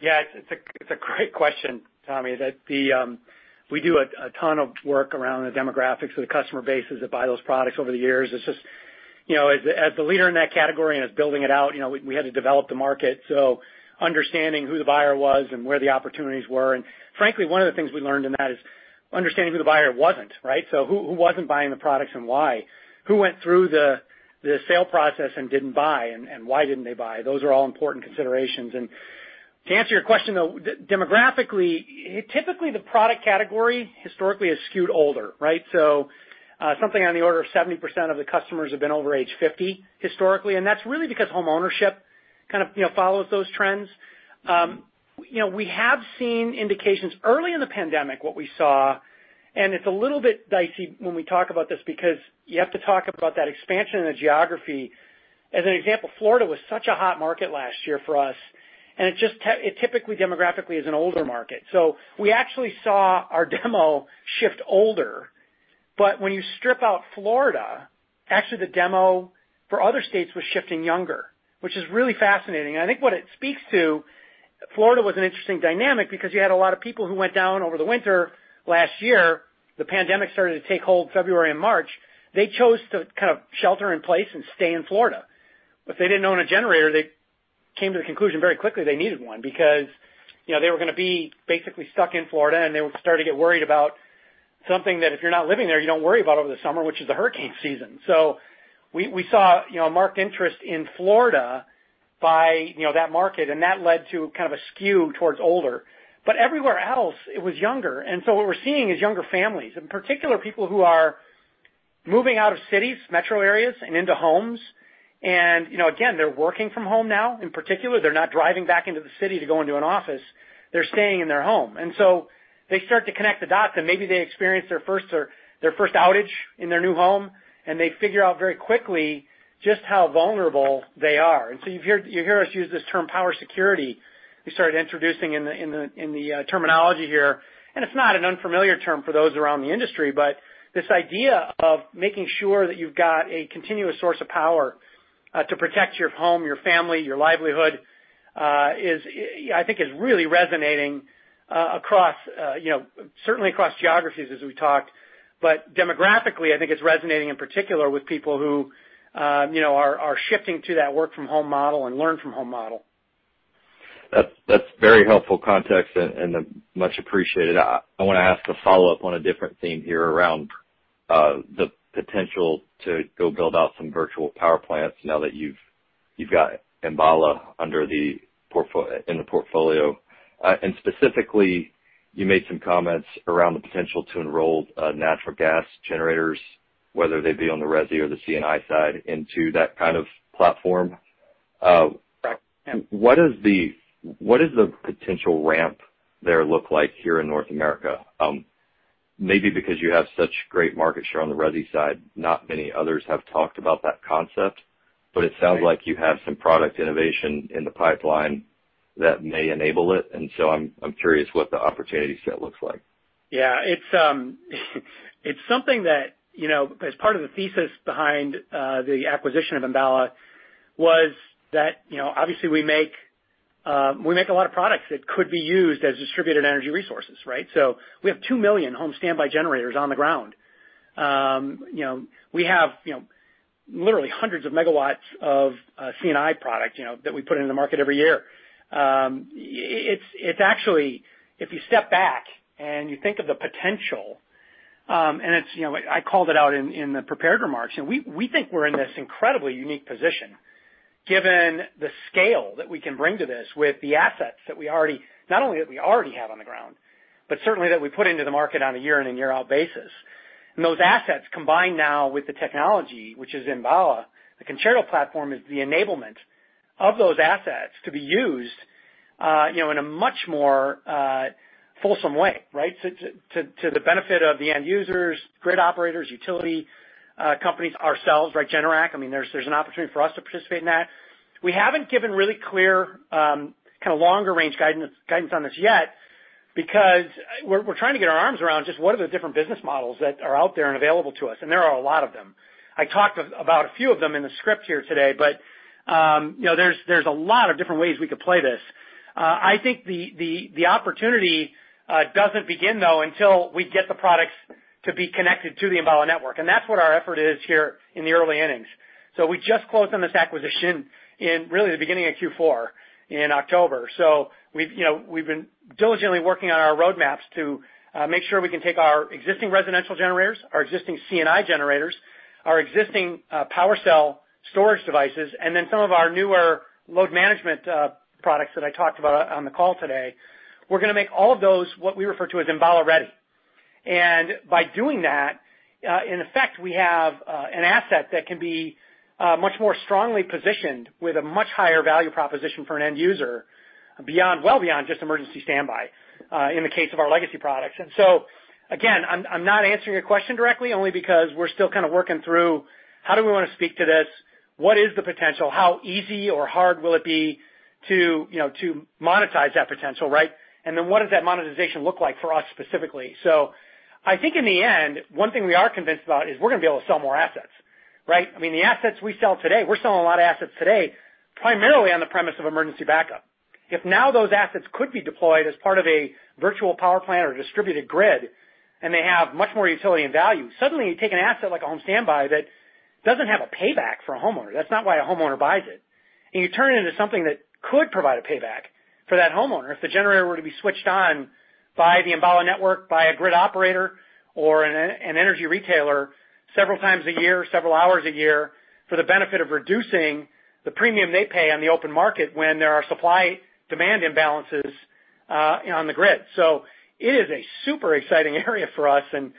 Yeah. It's a great question, Tommy. We do a ton of work around the demographics of the customer bases that buy those products over the years. As the leader in that category and as building it out, we had to develop the market, so understanding who the buyer was and where the opportunities were. Frankly, one of the things we learned in that is understanding who the buyer wasn't, right? Who wasn't buying the products and why. Who went through the sale process and didn't buy, and why didn't they buy? Those are all important considerations. To answer your question, though, demographically, typically, the product category historically has skewed older, right? Something on the order of 70% of the customers have been over age 50 historically, and that's really because homeownership kind of follows those trends. We have seen indications early in the pandemic what we saw, and it's a little bit dicey when we talk about this because you have to talk about that expansion in the geography. As an example, Florida was such a hot market last year for us, and it typically demographically is an older market. We actually saw our demo shift older. When you strip out Florida, actually the demo for other states was shifting younger, which is really fascinating. I think what it speaks to, Florida was an interesting dynamic because you had a lot of people who went down over the winter last year. The pandemic started to take hold February and March. They chose to kind of shelter in place and stay in Florida. If they didn't own a generator, they came to the conclusion very quickly they needed one because they were going to be basically stuck in Florida, and they would start to get worried about something that if you're not living there, you don't worry about over the summer, which is the hurricane season. We saw marked interest in Florida by that market, and that led to kind of a skew towards older. Everywhere else, it was younger. What we're seeing is younger families, in particular, people who are moving out of cities, metro areas, and into homes. Again, they're working from home now. In particular, they're not driving back into the city to go into an office. They're staying in their home. They start to connect the dots, and maybe they experience their first outage in their new home, and they figure out very quickly just how vulnerable they are. You hear us use this term power security. We started introducing in the terminology here, and it's not an unfamiliar term for those around the industry. This idea of making sure that you've got a continuous source of power to protect your home, your family, your livelihood I think is really resonating certainly across geographies as we talked. Demographically, I think it's resonating in particular with people who are shifting to that work from home model and learn from home model. That's very helpful context and much appreciated. I want to ask a follow-up on a different theme here around the potential to go build out some virtual power plants now that you've got Enbala in the portfolio. Specifically, you made some comments around the potential to enroll natural gas generators, whether they be on the resi or the C&I side, into that kind of platform. Right. Yeah. What does the potential ramp there look like here in North America? Maybe because you have such great market share on the resi side, not many others have talked about that concept. It sounds like you have some product innovation in the pipeline that may enable it. I'm curious what the opportunity set looks like. Yeah. As part of the thesis behind the acquisition of Enbala was that obviously we make a lot of products that could be used as distributed energy resources, right? We have 2 million home standby generators on the ground. We have literally hundreds of megawatts of C&I product that we put into the market every year. If you step back and you think of the potential, I called it out in the prepared remarks, we think we're in this incredibly unique position given the scale that we can bring to this with the assets not only that we already have on the ground, but certainly that we put into the market on a year-in and year-out basis. Those assets combine now with the technology, which is Enbala. The Concerto platform is the enablement of those assets to be used in a much more fulsome way, right? To the benefit of the end users, grid operators, utility companies, ourselves, right? Generac, there's an opportunity for us to participate in that. We haven't given really clear, longer range guidance on this yet, because we're trying to get our arms around just what are the different business models that are out there and available to us. There are a lot of them. I talked about a few of them in the script here today, there's a lot of different ways we could play this. I think the opportunity doesn't begin, though, until we get the products to be connected to the Enbala network. That's what our effort is here in the early innings. We just closed on this acquisition in really the beginning of Q4 in October. We've been diligently working on our roadmaps to make sure we can take our existing residential generators, our existing C&I generators, our existing PWRcell storage devices, and then some of our newer load management products that I talked about on the call today. We're going to make all of those, what we refer to as Enbala-ready. By doing that, in effect, we have an asset that can be much more strongly positioned with a much higher value proposition for an end user well beyond just emergency standby in the case of our legacy products. Again, I'm not answering your question directly, only because we're still working through how do we want to speak to this? What is the potential? How easy or hard will it be to monetize that potential, right? What does that monetization look like for us specifically? I think in the end, one thing we are convinced about is we're going to be able to sell more assets, right? The assets we sell today, we're selling a lot of assets today, primarily on the premise of emergency backup. If now those assets could be deployed as part of a virtual power plant or distributed grid, and they have much more utility and value, suddenly you take an asset like a home standby that doesn't have a payback for a homeowner. That's not why a homeowner buys it. You turn it into something that could provide a payback for that homeowner if the generator were to be switched on by the Enbala network, by a grid operator or an energy retailer several times a year, several hours a year, for the benefit of reducing the premium they pay on the open market when there are supply-demand imbalances on the grid. It is a super exciting area for us and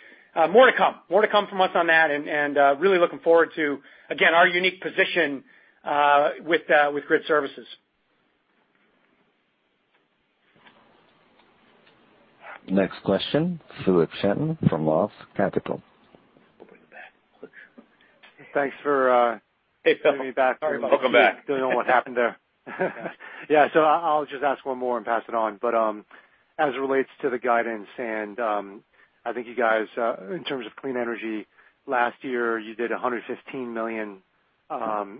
more to come. More to come from us on that and really looking forward to, again, our unique position with grid services. Next question, Philip Shen from Roth Capital. Thanks for. Hey, Phil. Letting me back. Welcome back. Don't know what happened there. Yeah, I'll just ask one more and pass it on. As it relates to the guidance, I think you guys, in terms of clean energy, last year you did $115 million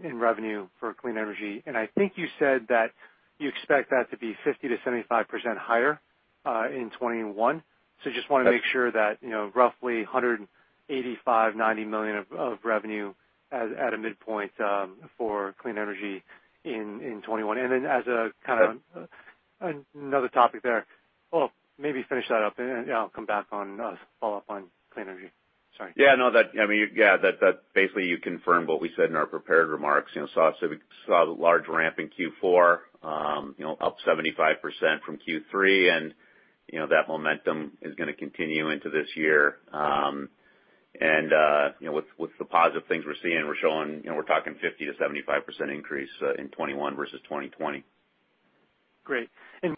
in revenue for clean energy, I think you said that you expect that to be 50%-75% higher in 2021. Just want to make sure that roughly $185 million, $190 million of revenue at a midpoint for clean energy in 2021. Then as a kind of another topic there. Well, maybe finish that up then I'll come back on, follow up on clean energy. Sorry. Yeah, no. That basically you confirmed what we said in our prepared remarks. You saw the large ramp in Q4 up 75% from Q3, and that momentum is going to continue into this year. With the positive things we're seeing, we're talking 50%-75% increase in 2021 versus 2020. Great.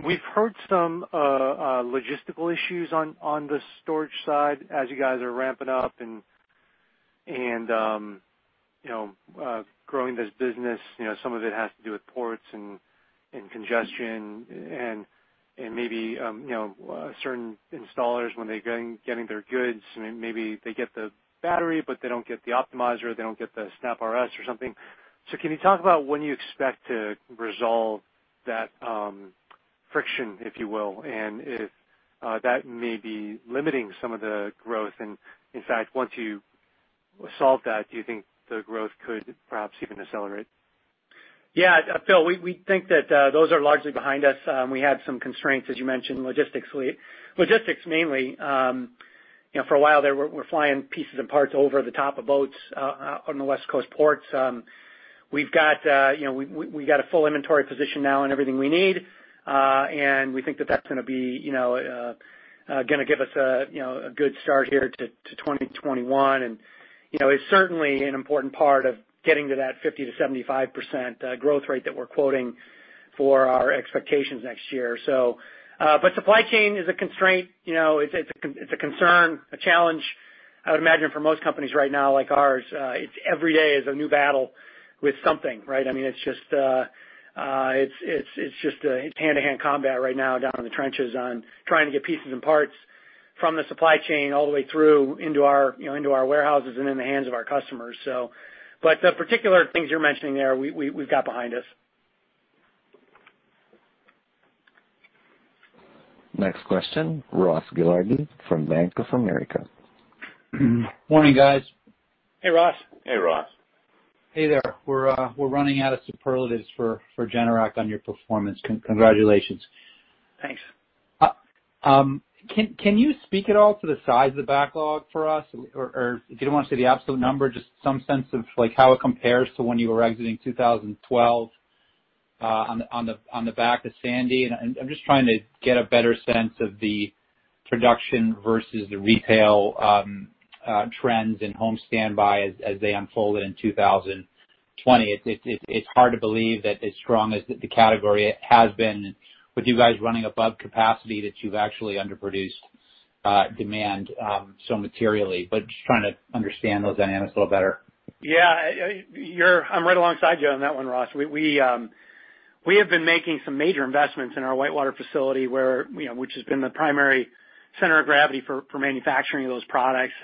We've heard some logistical issues on the storage side as you guys are ramping up and growing this business, some of it has to do with ports and congestion and maybe certain installers when they're getting their goods, maybe they get the battery, but they don't get the optimizer, or they don't get the SnapRS or something. Can you talk about when you expect to resolve that friction, if you will? And if that may be limiting some of the growth, and in fact, once you solve that, do you think the growth could perhaps even accelerate? Yeah, Phil, we think that those are largely behind us. We had some constraints, as you mentioned, logistics mainly. For a while there, we're flying pieces and parts over the top of boats on the West Coast ports. We've got a full inventory position now on everything we need. We think that's going to give us a good start here to 2021. It's certainly an important part of getting to that 50%-75% growth rate that we're quoting for our expectations next year. Supply chain is a constraint. It's a concern, a challenge I would imagine for most companies right now like ours. Every day is a new battle with something, right? It's just hand-to-hand combat right now down in the trenches on trying to get pieces and parts from the supply chain all the way through into our warehouses and in the hands of our customers. The particular things you're mentioning there, we've got behind us. Next question, Ross Gilardi from Bank of America. Morning, guys. Hey, Ross. Hey, Ross. Hey there. We're running out of superlatives for Generac on your performance. Congratulations. Thanks. Can you speak at all to the size of the backlog for us? If you don't want to say the absolute number, just some sense of how it compares to when you were exiting 2012. On the back of Sandy. I'm just trying to get a better sense of the production versus the retail trends in home standby as they unfolded in 2020. It's hard to believe that as strong as the category has been with you guys running above capacity, that you've actually underproduced demand so materially, but just trying to understand those dynamics a little better. Yeah. I'm right alongside you on that one, Ross. We have been making some major investments in our Whitewater facility, which has been the primary center of gravity for manufacturing those products.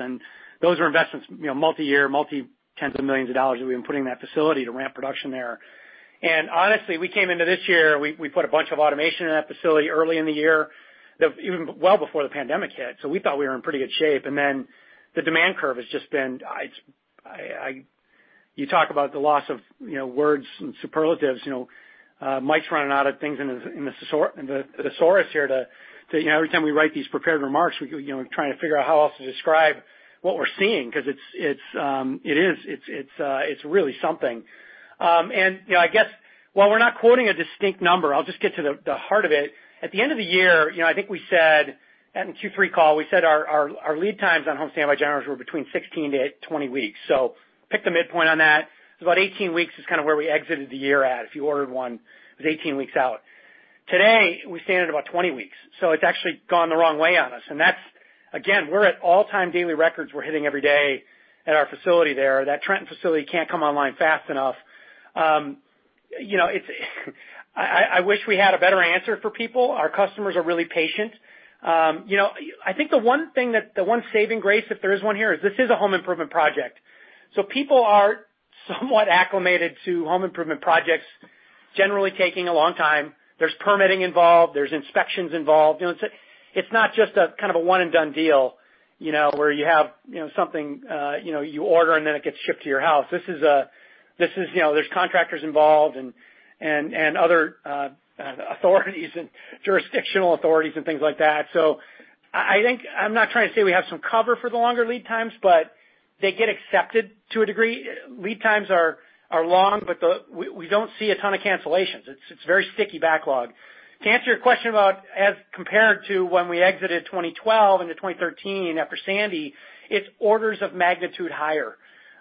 Those are investments, multi-year, multi-tens of millions of dollars that we've been putting in that facility to ramp production there. Honestly, we came into this year, we put a bunch of automation in that facility early in the year, well before the pandemic hit. We thought we were in pretty good shape. The demand curve has just been. You talk about the loss of words and superlatives. Mike's running out of things in the thesaurus here. Every time we write these prepared remarks, we're trying to figure out how else to describe what we're seeing, because it's really something. I guess, while we're not quoting a distinct number, I'll just get to the heart of it. At the end of the year, I think we said at Q3 call, we said our lead times on home standby generators were between 16-20 weeks. Pick the midpoint on that. It's about 18 weeks is kind of where we exited the year at. If you ordered one, it was 18 weeks out. Today, we stand at about 20 weeks. It's actually gone the wrong way on us. That's, again, we're at all-time daily records we're hitting every day at our facility there. That Trenton facility can't come online fast enough. I wish we had a better answer for people. Our customers are really patient. I think the one thing, the one saving grace, if there is one here, is this is a home improvement project. People are somewhat acclimated to home improvement projects generally taking a long time. There's permitting involved. There's inspections involved. It's not just a kind of a one-and-done deal, where you have something you order and then it gets shipped to your house. There's contractors involved and other authorities and jurisdictional authorities and things like that. I'm not trying to say we have some cover for the longer lead times, but they get accepted to a degree. Lead times are long, but we don't see a ton of cancellations. It's very sticky backlog. To answer your question about as compared to when we exited 2012 into 2013 after Sandy, it's orders of magnitude higher,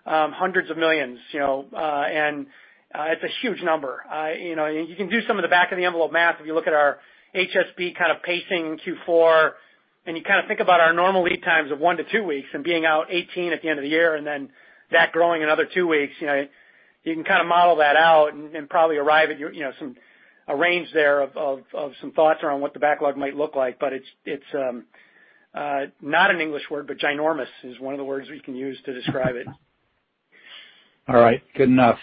hundreds of millions. It's a huge number. You can do some of the back of the envelope math if you look at our HSB kind of pacing Q4, and you think about our normal lead times of one to two weeks and being out 18 at the end of the year and then that growing another two weeks. You can model that out and probably arrive at a range there of some thoughts around what the backlog might look like. It's not an English word, but ginormous is one of the words we can use to describe it. All right. Good enough.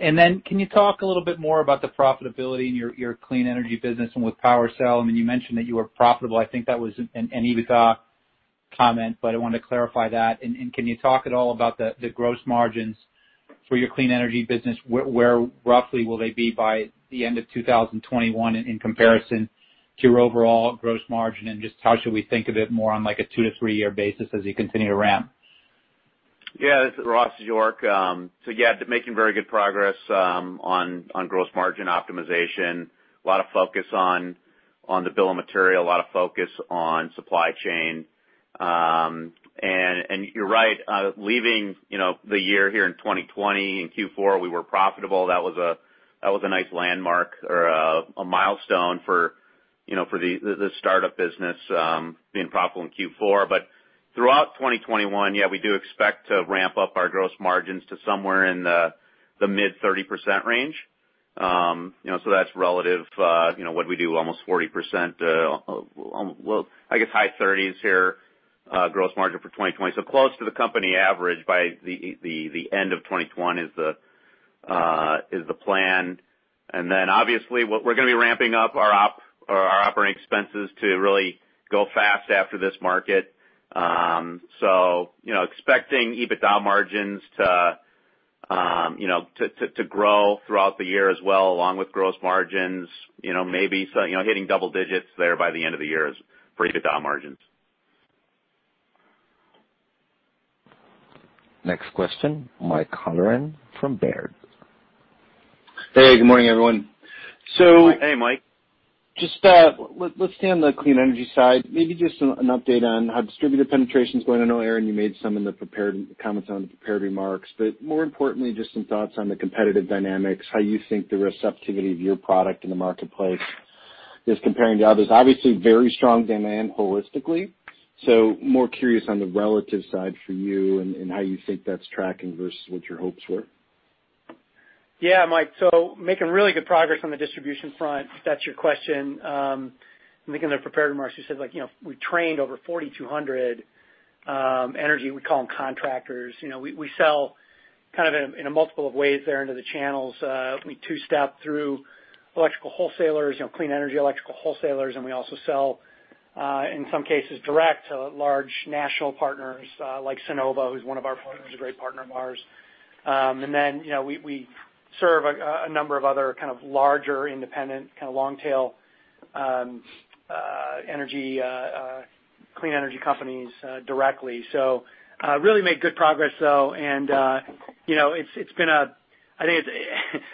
Can you talk a little bit more about the profitability in your clean energy business and with PWRcell? I mean, you mentioned that you were profitable. I think that was an EBITDA comment, but I wanted to clarify that. Can you talk at all about the gross margins for your clean energy business? Where roughly will they be by the end of 2021 in comparison to your overall gross margin? Just how should we think of it more on like a two to three-year basis as you continue to ramp? Yeah, Ross this is York. Yeah, making very good progress on gross margin optimization. A lot of focus on the bill of material, a lot of focus on supply chain. You're right. Leaving the year here in 2020, in Q4, we were profitable. That was a nice landmark or a milestone for the startup business being profitable in Q4. Throughout 2021, yeah, we do expect to ramp up our gross margins to somewhere in the mid 30% range. That's relative. What'd we do? Almost 40%. Well, I guess high 30s here, gross margin for 2020. Close to the company average by the end of 2021 is the plan. Obviously, we're going to be ramping up our operating expenses to really go fast after this market. Expecting EBITDA margins to grow throughout the year as well, along with gross margins. Maybe hitting double digits there by the end of the year for EBITDA margins. Next question, Mike Halloran from Baird. Hey, good morning, everyone. Hey, Mike. Let's stay on the clean energy side. Maybe just an update on how distributor penetration is going. I know, Aaron, you made some in the prepared comments on the prepared remarks. More importantly, just some thoughts on the competitive dynamics, how you think the receptivity of your product in the marketplace is comparing to others. Obviously, very strong demand holistically. More curious on the relative side for you and how you think that's tracking versus what your hopes were. Yeah, Mike. Making really good progress on the distribution front, if that's your question. I think in the prepared remarks, we said we trained over 4,200 energy, we call them contractors. We sell kind of in a multiple of ways there into the channels. We two-step through electrical wholesalers, clean energy electrical wholesalers, and we also sell, in some cases, direct to large national partners like Sunnova, who's one of our partners, a great partner of ours. We serve a number of other kind of larger independent, kind of long-tail clean energy companies directly. Really made good progress though.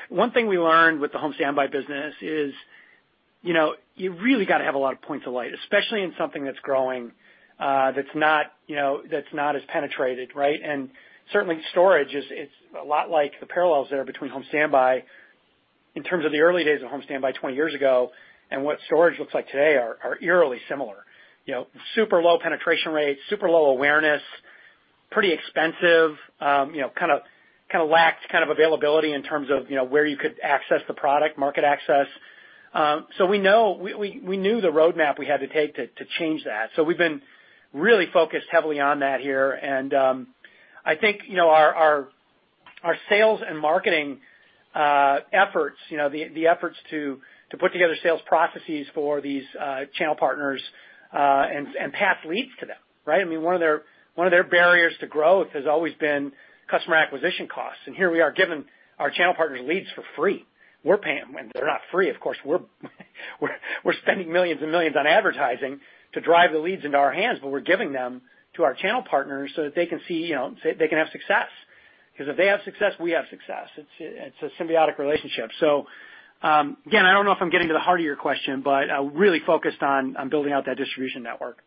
One thing we learned with the home standby business is you really got to have a lot of points of light, especially in something that's growing, that's not as penetrated, right? Certainly storage, it's a lot like the parallels there between home standby in terms of the early days of home standby 20 years ago and what storage looks like today are eerily similar. Super low penetration rates, super low awareness, pretty expensive, kind of lacked availability in terms of where you could access the product, market access. We knew the roadmap we had to take to change that. We've been really focused heavily on that here, and I think our sales and marketing efforts, the efforts to put together sales processes for these channel partners, and path leads to them, right? One of their barriers to growth has always been customer acquisition costs, and here we are giving our channel partners leads for free. We're paying. They're not free, of course. We're spending millions and millions on advertising to drive the leads into our hands, but we're giving them to our channel partners so that they can see, they can have success. Because if they have success, we have success. It's a symbiotic relationship. Again, I don't know if I'm getting to the heart of your question, but really focused on building out that distribution network.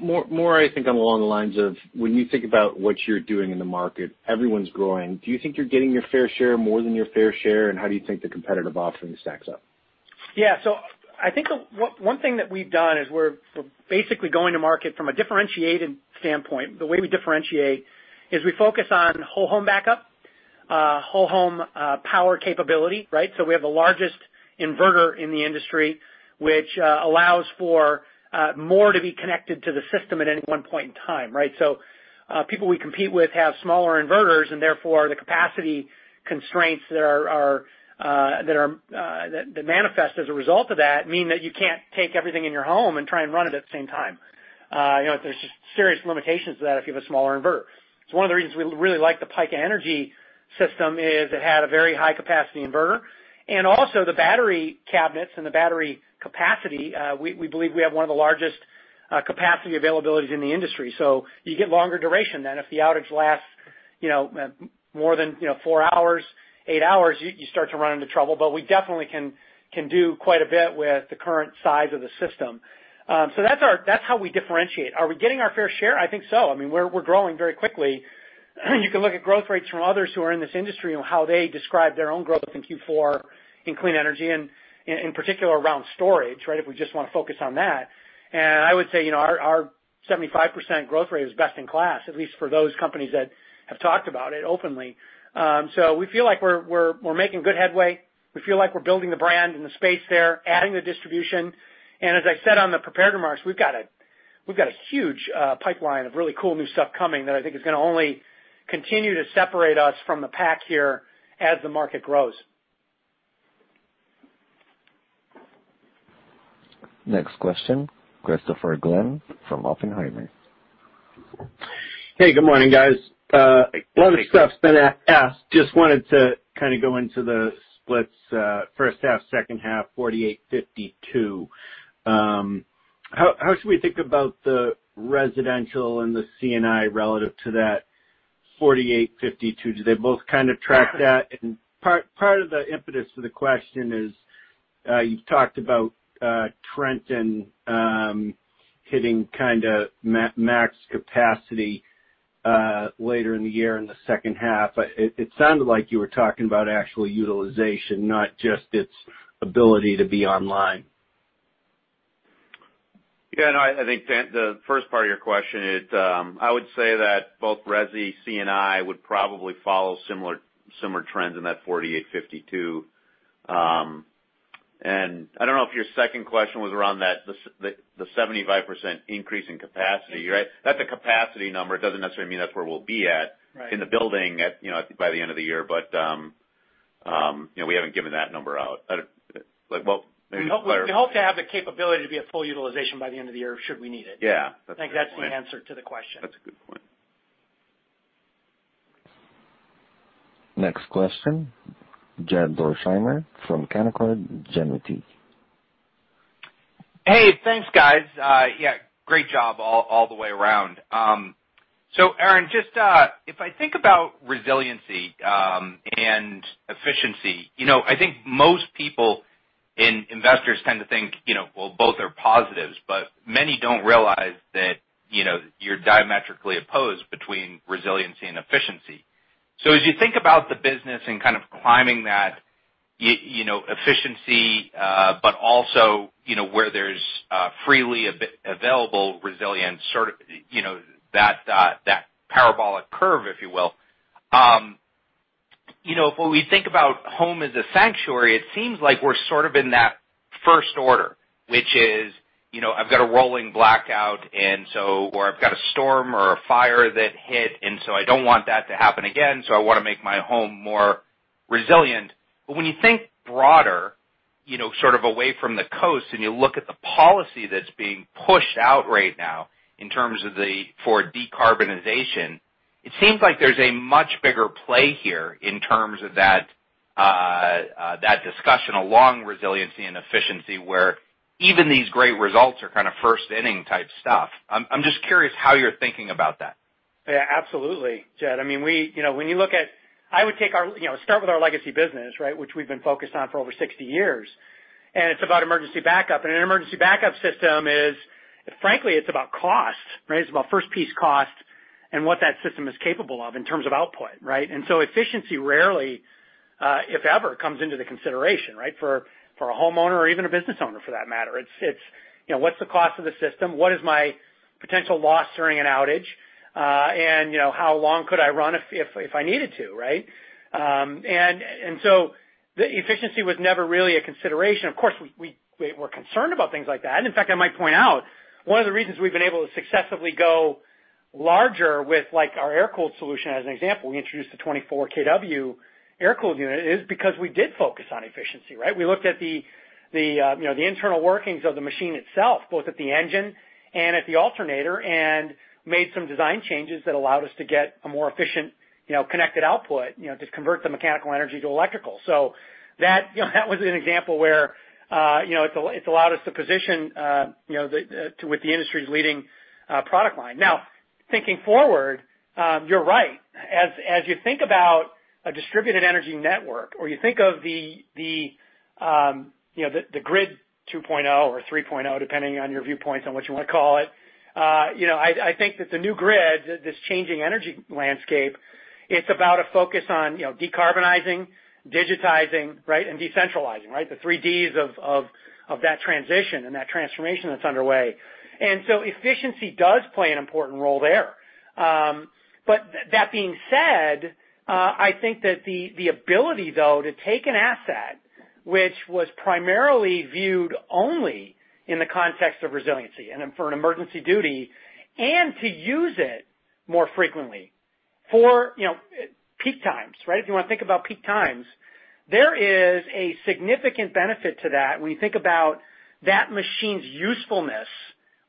More, I think, along the lines of when you think about what you're doing in the market, everyone's growing. Do you think you're getting your fair share, more than your fair share, and how do you think the competitive offering stacks up? I think one thing that we've done is we're basically going to market from a differentiated standpoint. The way we differentiate is we focus on whole home backup, whole home power capability, right? We have the largest inverter in the industry, which allows for more to be connected to the system at any one point in time, right? People we compete with have smaller inverters, and therefore, the capacity constraints that manifest as a result of that mean that you can't take everything in your home and try and run it at the same time. There's just serious limitations to that if you have a smaller inverter. One of the reasons we really like the Pika Energy system is it had a very high capacity inverter. Also the battery cabinets and the battery capacity, we believe we have one of the largest capacity availabilities in the industry. You get longer duration then. If the outage lasts more than four hours, eight hours, you start to run into trouble. We definitely can do quite a bit with the current size of the system. That's how we differentiate. Are we getting our fair share? I think so. We're growing very quickly. You can look at growth rates from others who are in this industry and how they describe their own growth in Q4 in clean energy, and in particular, around storage, right? If we just want to focus on that. I would say, our 75% growth rate is best in class, at least for those companies that have talked about it openly. We feel like we're making good headway. We feel like we're building the brand in the space there, adding the distribution, and as I said on the prepared remarks, we've got a huge pipeline of really cool new stuff coming that I think is going to only continue to separate us from the pack here as the market grows. Next question, Christopher Glynn from Oppenheimer. Hey, good morning, guys. A lot of stuff's been asked. Just wanted to go into the splits, first half, second half, 48/52. How should we think about the residential and the C&I relative to that 48/52? Do they both kind of track that? Part of the impetus for the question is, you've talked about Trenton hitting max capacity later in the year in the second half. It sounded like you were talking about actual utilization, not just its ability to be online. Yeah, no. I think the first part of your question, I would say that both resi, C&I would probably follow similar trends in that 48/52. I don't know if your second question was around the 75% increase in capacity, right? That's a capacity number. It doesn't necessarily mean that's where we'll be at. Right. In the building by the end of the year. We haven't given that number out. Maybe. We hope to have the capability to be at full utilization by the end of the year, should we need it. Yeah. That's a good point. I think that's the answer to the question. That's a good point. Next question, Jed Dorsheimer from Canaccord Genuity. Hey, thanks, guys. Yeah, great job all the way around. Aaron, if I think about resiliency and efficiency, I think most people and investors tend to think both are positives, but many don't realize that you're diametrically opposed between resiliency and efficiency. As you think about the business and kind of climbing that efficiency but also where there's freely available resilience, that parabolic curve, if you will. If we think about home as a sanctuary, it seems like we're sort of in that first order, which is, I've got a rolling blackout or I've got a storm or a fire that hit, and so I don't want that to happen again, so I want to make my home more resilient. When you think broader, sort of away from the coast, and you look at the policy that's being pushed out right now in terms of for decarbonization, it seems like there's a much bigger play here in terms of that. That discussion along resiliency and efficiency, where even these great results are kind of first inning type stuff. I'm just curious how you're thinking about that. Yeah, absolutely, Jed. I would start with our legacy business, which we've been focused on for over 60 years, and it's about emergency backup. An emergency backup system is, frankly, it's about cost. It's about first piece cost and what that system is capable of in terms of output. Efficiency rarely, if ever, comes into the consideration for a homeowner or even a business owner for that matter. It's what's the cost of the system? What is my potential loss during an outage? How long could I run if I needed to? The efficiency was never really a consideration. Of course, we're concerned about things like that, and in fact, I might point out one of the reasons we've been able to successfully go larger with our air-cooled solution, as an example, we introduced a 24 kW air-cooled unit, is because we did focus on efficiency. We looked at the internal workings of the machine itself, both at the engine and at the alternator, and made some design changes that allowed us to get a more efficient, connected output, just convert the mechanical energy to electrical. That was an example where it's allowed us to position with the industry's leading product line. Now, thinking forward, you're right. As you think about a distributed energy network, or you think of the grid 2.0 or 3.0, depending on your viewpoints on what you want to call it, I think that the new grid, this changing energy landscape, it's about a focus on decarbonizing, digitizing, and decentralizing. The three Ds of that transition and that transformation that's underway. Efficiency does play an important role there. That being said, I think that the ability, though, to take an asset which was primarily viewed only in the context of resiliency and for an emergency duty, and to use it more frequently for peak times. If you want to think about peak times, there is a significant benefit to that when you think about that machine's usefulness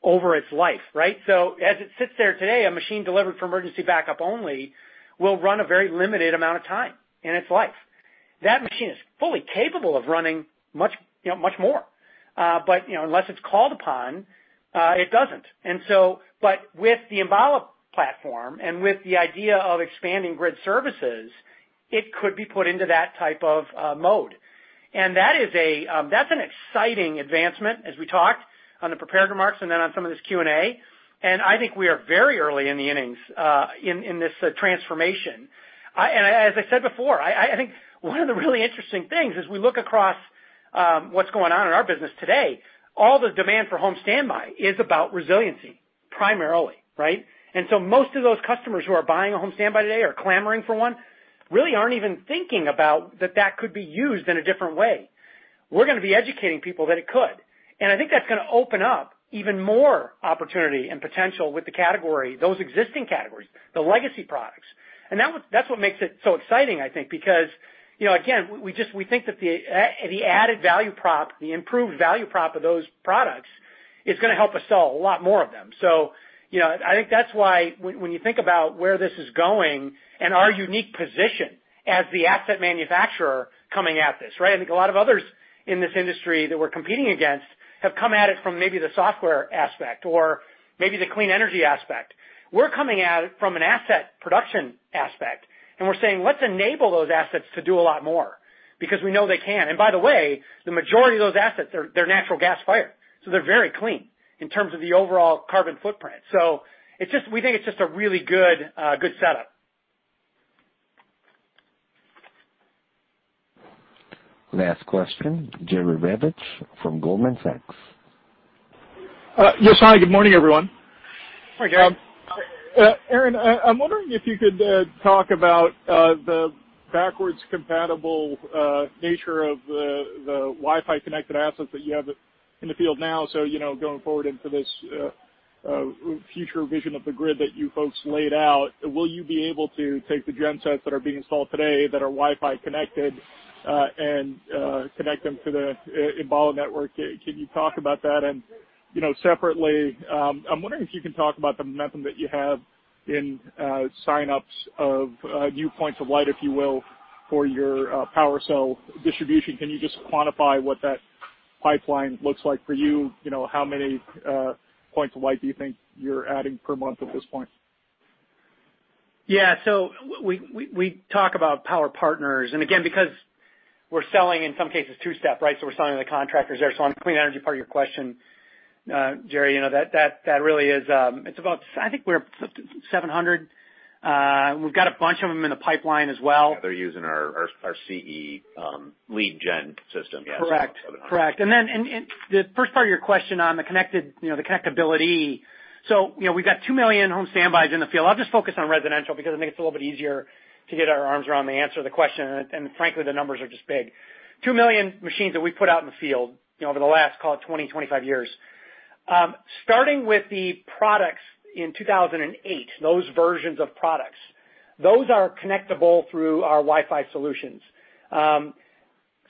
over its life. As it sits there today, a machine delivered for emergency backup only will run a very limited amount of time in its life. That machine is fully capable of running much more. Unless it's called upon, it doesn't. With the Enbala platform and with the idea of expanding grid services, it could be put into that type of mode. That's an exciting advancement, as we talked on the prepared remarks and then on some of this Q&A. I think we are very early in the innings in this transformation. I said before, I think one of the really interesting things as we look across what's going on in our business today, all the demand for home standby is about resiliency primarily. Most of those customers who are buying a home standby today are clamoring for one really aren't even thinking about that could be used in a different way. We're going to be educating people that it could. I think that's going to open up even more opportunity and potential with the category, those existing categories, the legacy products. That's what makes it so exciting, I think, because, again, we think that the improved value prop of those products is going to help us sell a lot more of them. I think that's why when you think about where this is going and our unique position as the asset manufacturer coming at this. I think a lot of others in this industry that we're competing against have come at it from maybe the software aspect or maybe the clean energy aspect. We're coming at it from an asset production aspect, and we're saying, let's enable those assets to do a lot more because we know they can. By the way, the majority of those assets, they're natural gas-fired, so they're very clean in terms of the overall carbon footprint. We think it's just a really good setup. Last question, Jerry Revich from Goldman Sachs. Yes. Hi, good morning, everyone. Hi, Jerry. Aaron, I'm wondering if you could talk about the backwards compatible nature of the Wi-Fi connected assets that you have in the field now. Going forward into this future vision of the grid that you folks laid out, will you be able to take the gen sets that are being installed today that are Wi-Fi connected and connect them to the Enbala network? Can you talk about that? Separately, I'm wondering if you can talk about the momentum that you have in sign-ups of new points of light, if you will, for your PWRcell distribution. Can you just quantify what that pipeline looks like for you? How many points of light do you think you're adding per month at this point? Yeah. We talk about PWRpartner, and again, because we're selling in some cases two-step. We're selling to the contractors there. On the clean energy part of your question, Jerry, I think we're 700. We've got a bunch of them in the pipeline as well. They're using our CE lead-gen system. Correct. The first part of your question on the connectability. We've got 2 million home standbys in the field. I'll just focus on residential because I think it's a little bit easier to get our arms around the answer to the question, and frankly, the numbers are just big. 2 million machines that we put out in the field over the last, call it 20-25 years. Starting with the products in 2008, those versions of products, those are connectable through our Wi-Fi solutions.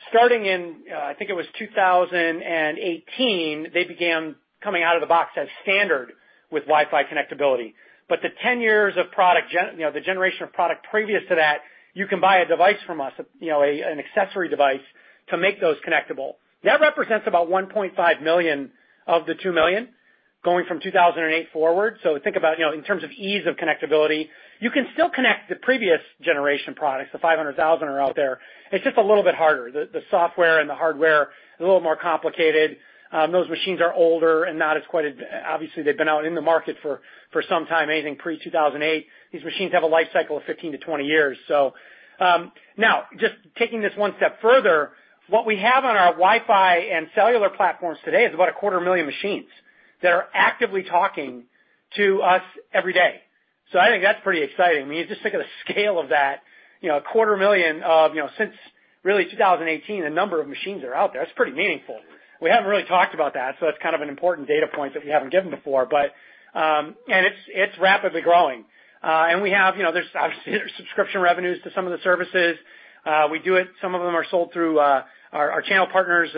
Starting in, I think it was 2018, they began coming out of the box as standard with Wi-Fi connectability. The 10 years of product, the generation of product previous to that, you can buy a device from us, an accessory device to make those connectable. That represents about 1.5 million of the 2 million going from 2008 forward. Think about, in terms of ease of connectability, you can still connect the previous generation products. The 500,000 are out there. It's just a little bit harder. The software and the hardware is a little more complicated. Those machines are older and not as quite-- obviously, they've been out in the market for some time, anything pre-2008. These machines have a life cycle of 15-20 years. Just taking this one step further, what we have on our Wi-Fi and cellular platforms today is about a quarter million machines that are actively talking to us every day. I think that's pretty exciting. Just think of the scale of that. A quarter million of, since really 2018, the number of machines that are out there, it's pretty meaningful. We haven't really talked about that, so that's kind of an important data point that we haven't given before. It's rapidly growing. There's obviously subscription revenues to some of the services. We do it. Some of them are sold through our channel partners.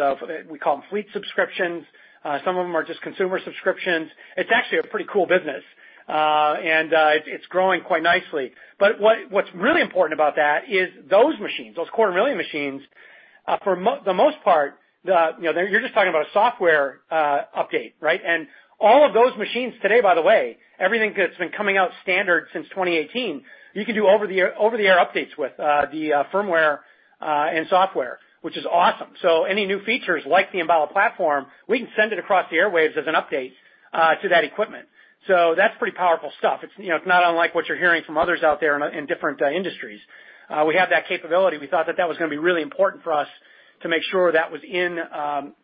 We call them fleet subscriptions. Some of them are just consumer subscriptions. It's actually a pretty cool business. It's growing quite nicely. What's really important about that is those machines, those 250,000 machines, for the most part, you're just talking about a software update. All of those machines today, by the way, everything that's been coming out standard since 2018, you can do over-the-air updates with the firmware and software, which is awesome. Any new features like the Enbala platform, we can send it across the airwaves as an update to that equipment. That's pretty powerful stuff. It's not unlike what you're hearing from others out there in different industries. We have that capability. We thought that that was going to be really important for us to make sure that was in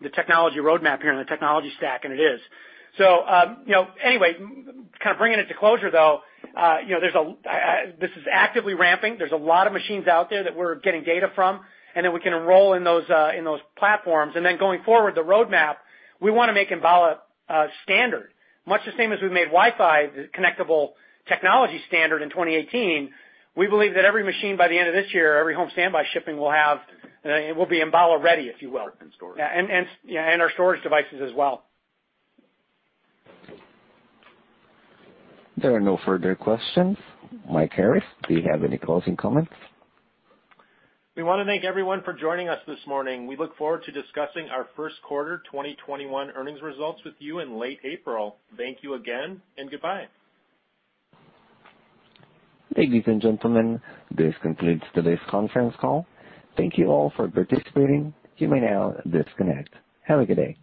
the technology roadmap here and the technology stack, and it is. Kind of bringing it to closure, though, this is actively ramping. There's a lot of machines out there that we're getting data from, and then we can enroll in those platforms. Going forward, the roadmap, we want to make Enbala standard. Much the same as we made Wi-Fi connectable technology standard in 2018, we believe that every machine by the end of this year, every home standby shipping will be Enbala-ready, if you will. Storage. Yeah, and our storage devices as well. There are no further questions. Mike Harris, do you have any closing comments? We want to thank everyone for joining us this morning. We look forward to discussing our first quarter 2021 earnings results with you in late April. Thank you again, and goodbye. Ladies and gentlemen, this concludes today's conference call. Thank you all for participating. You may now disconnect. Have a good day.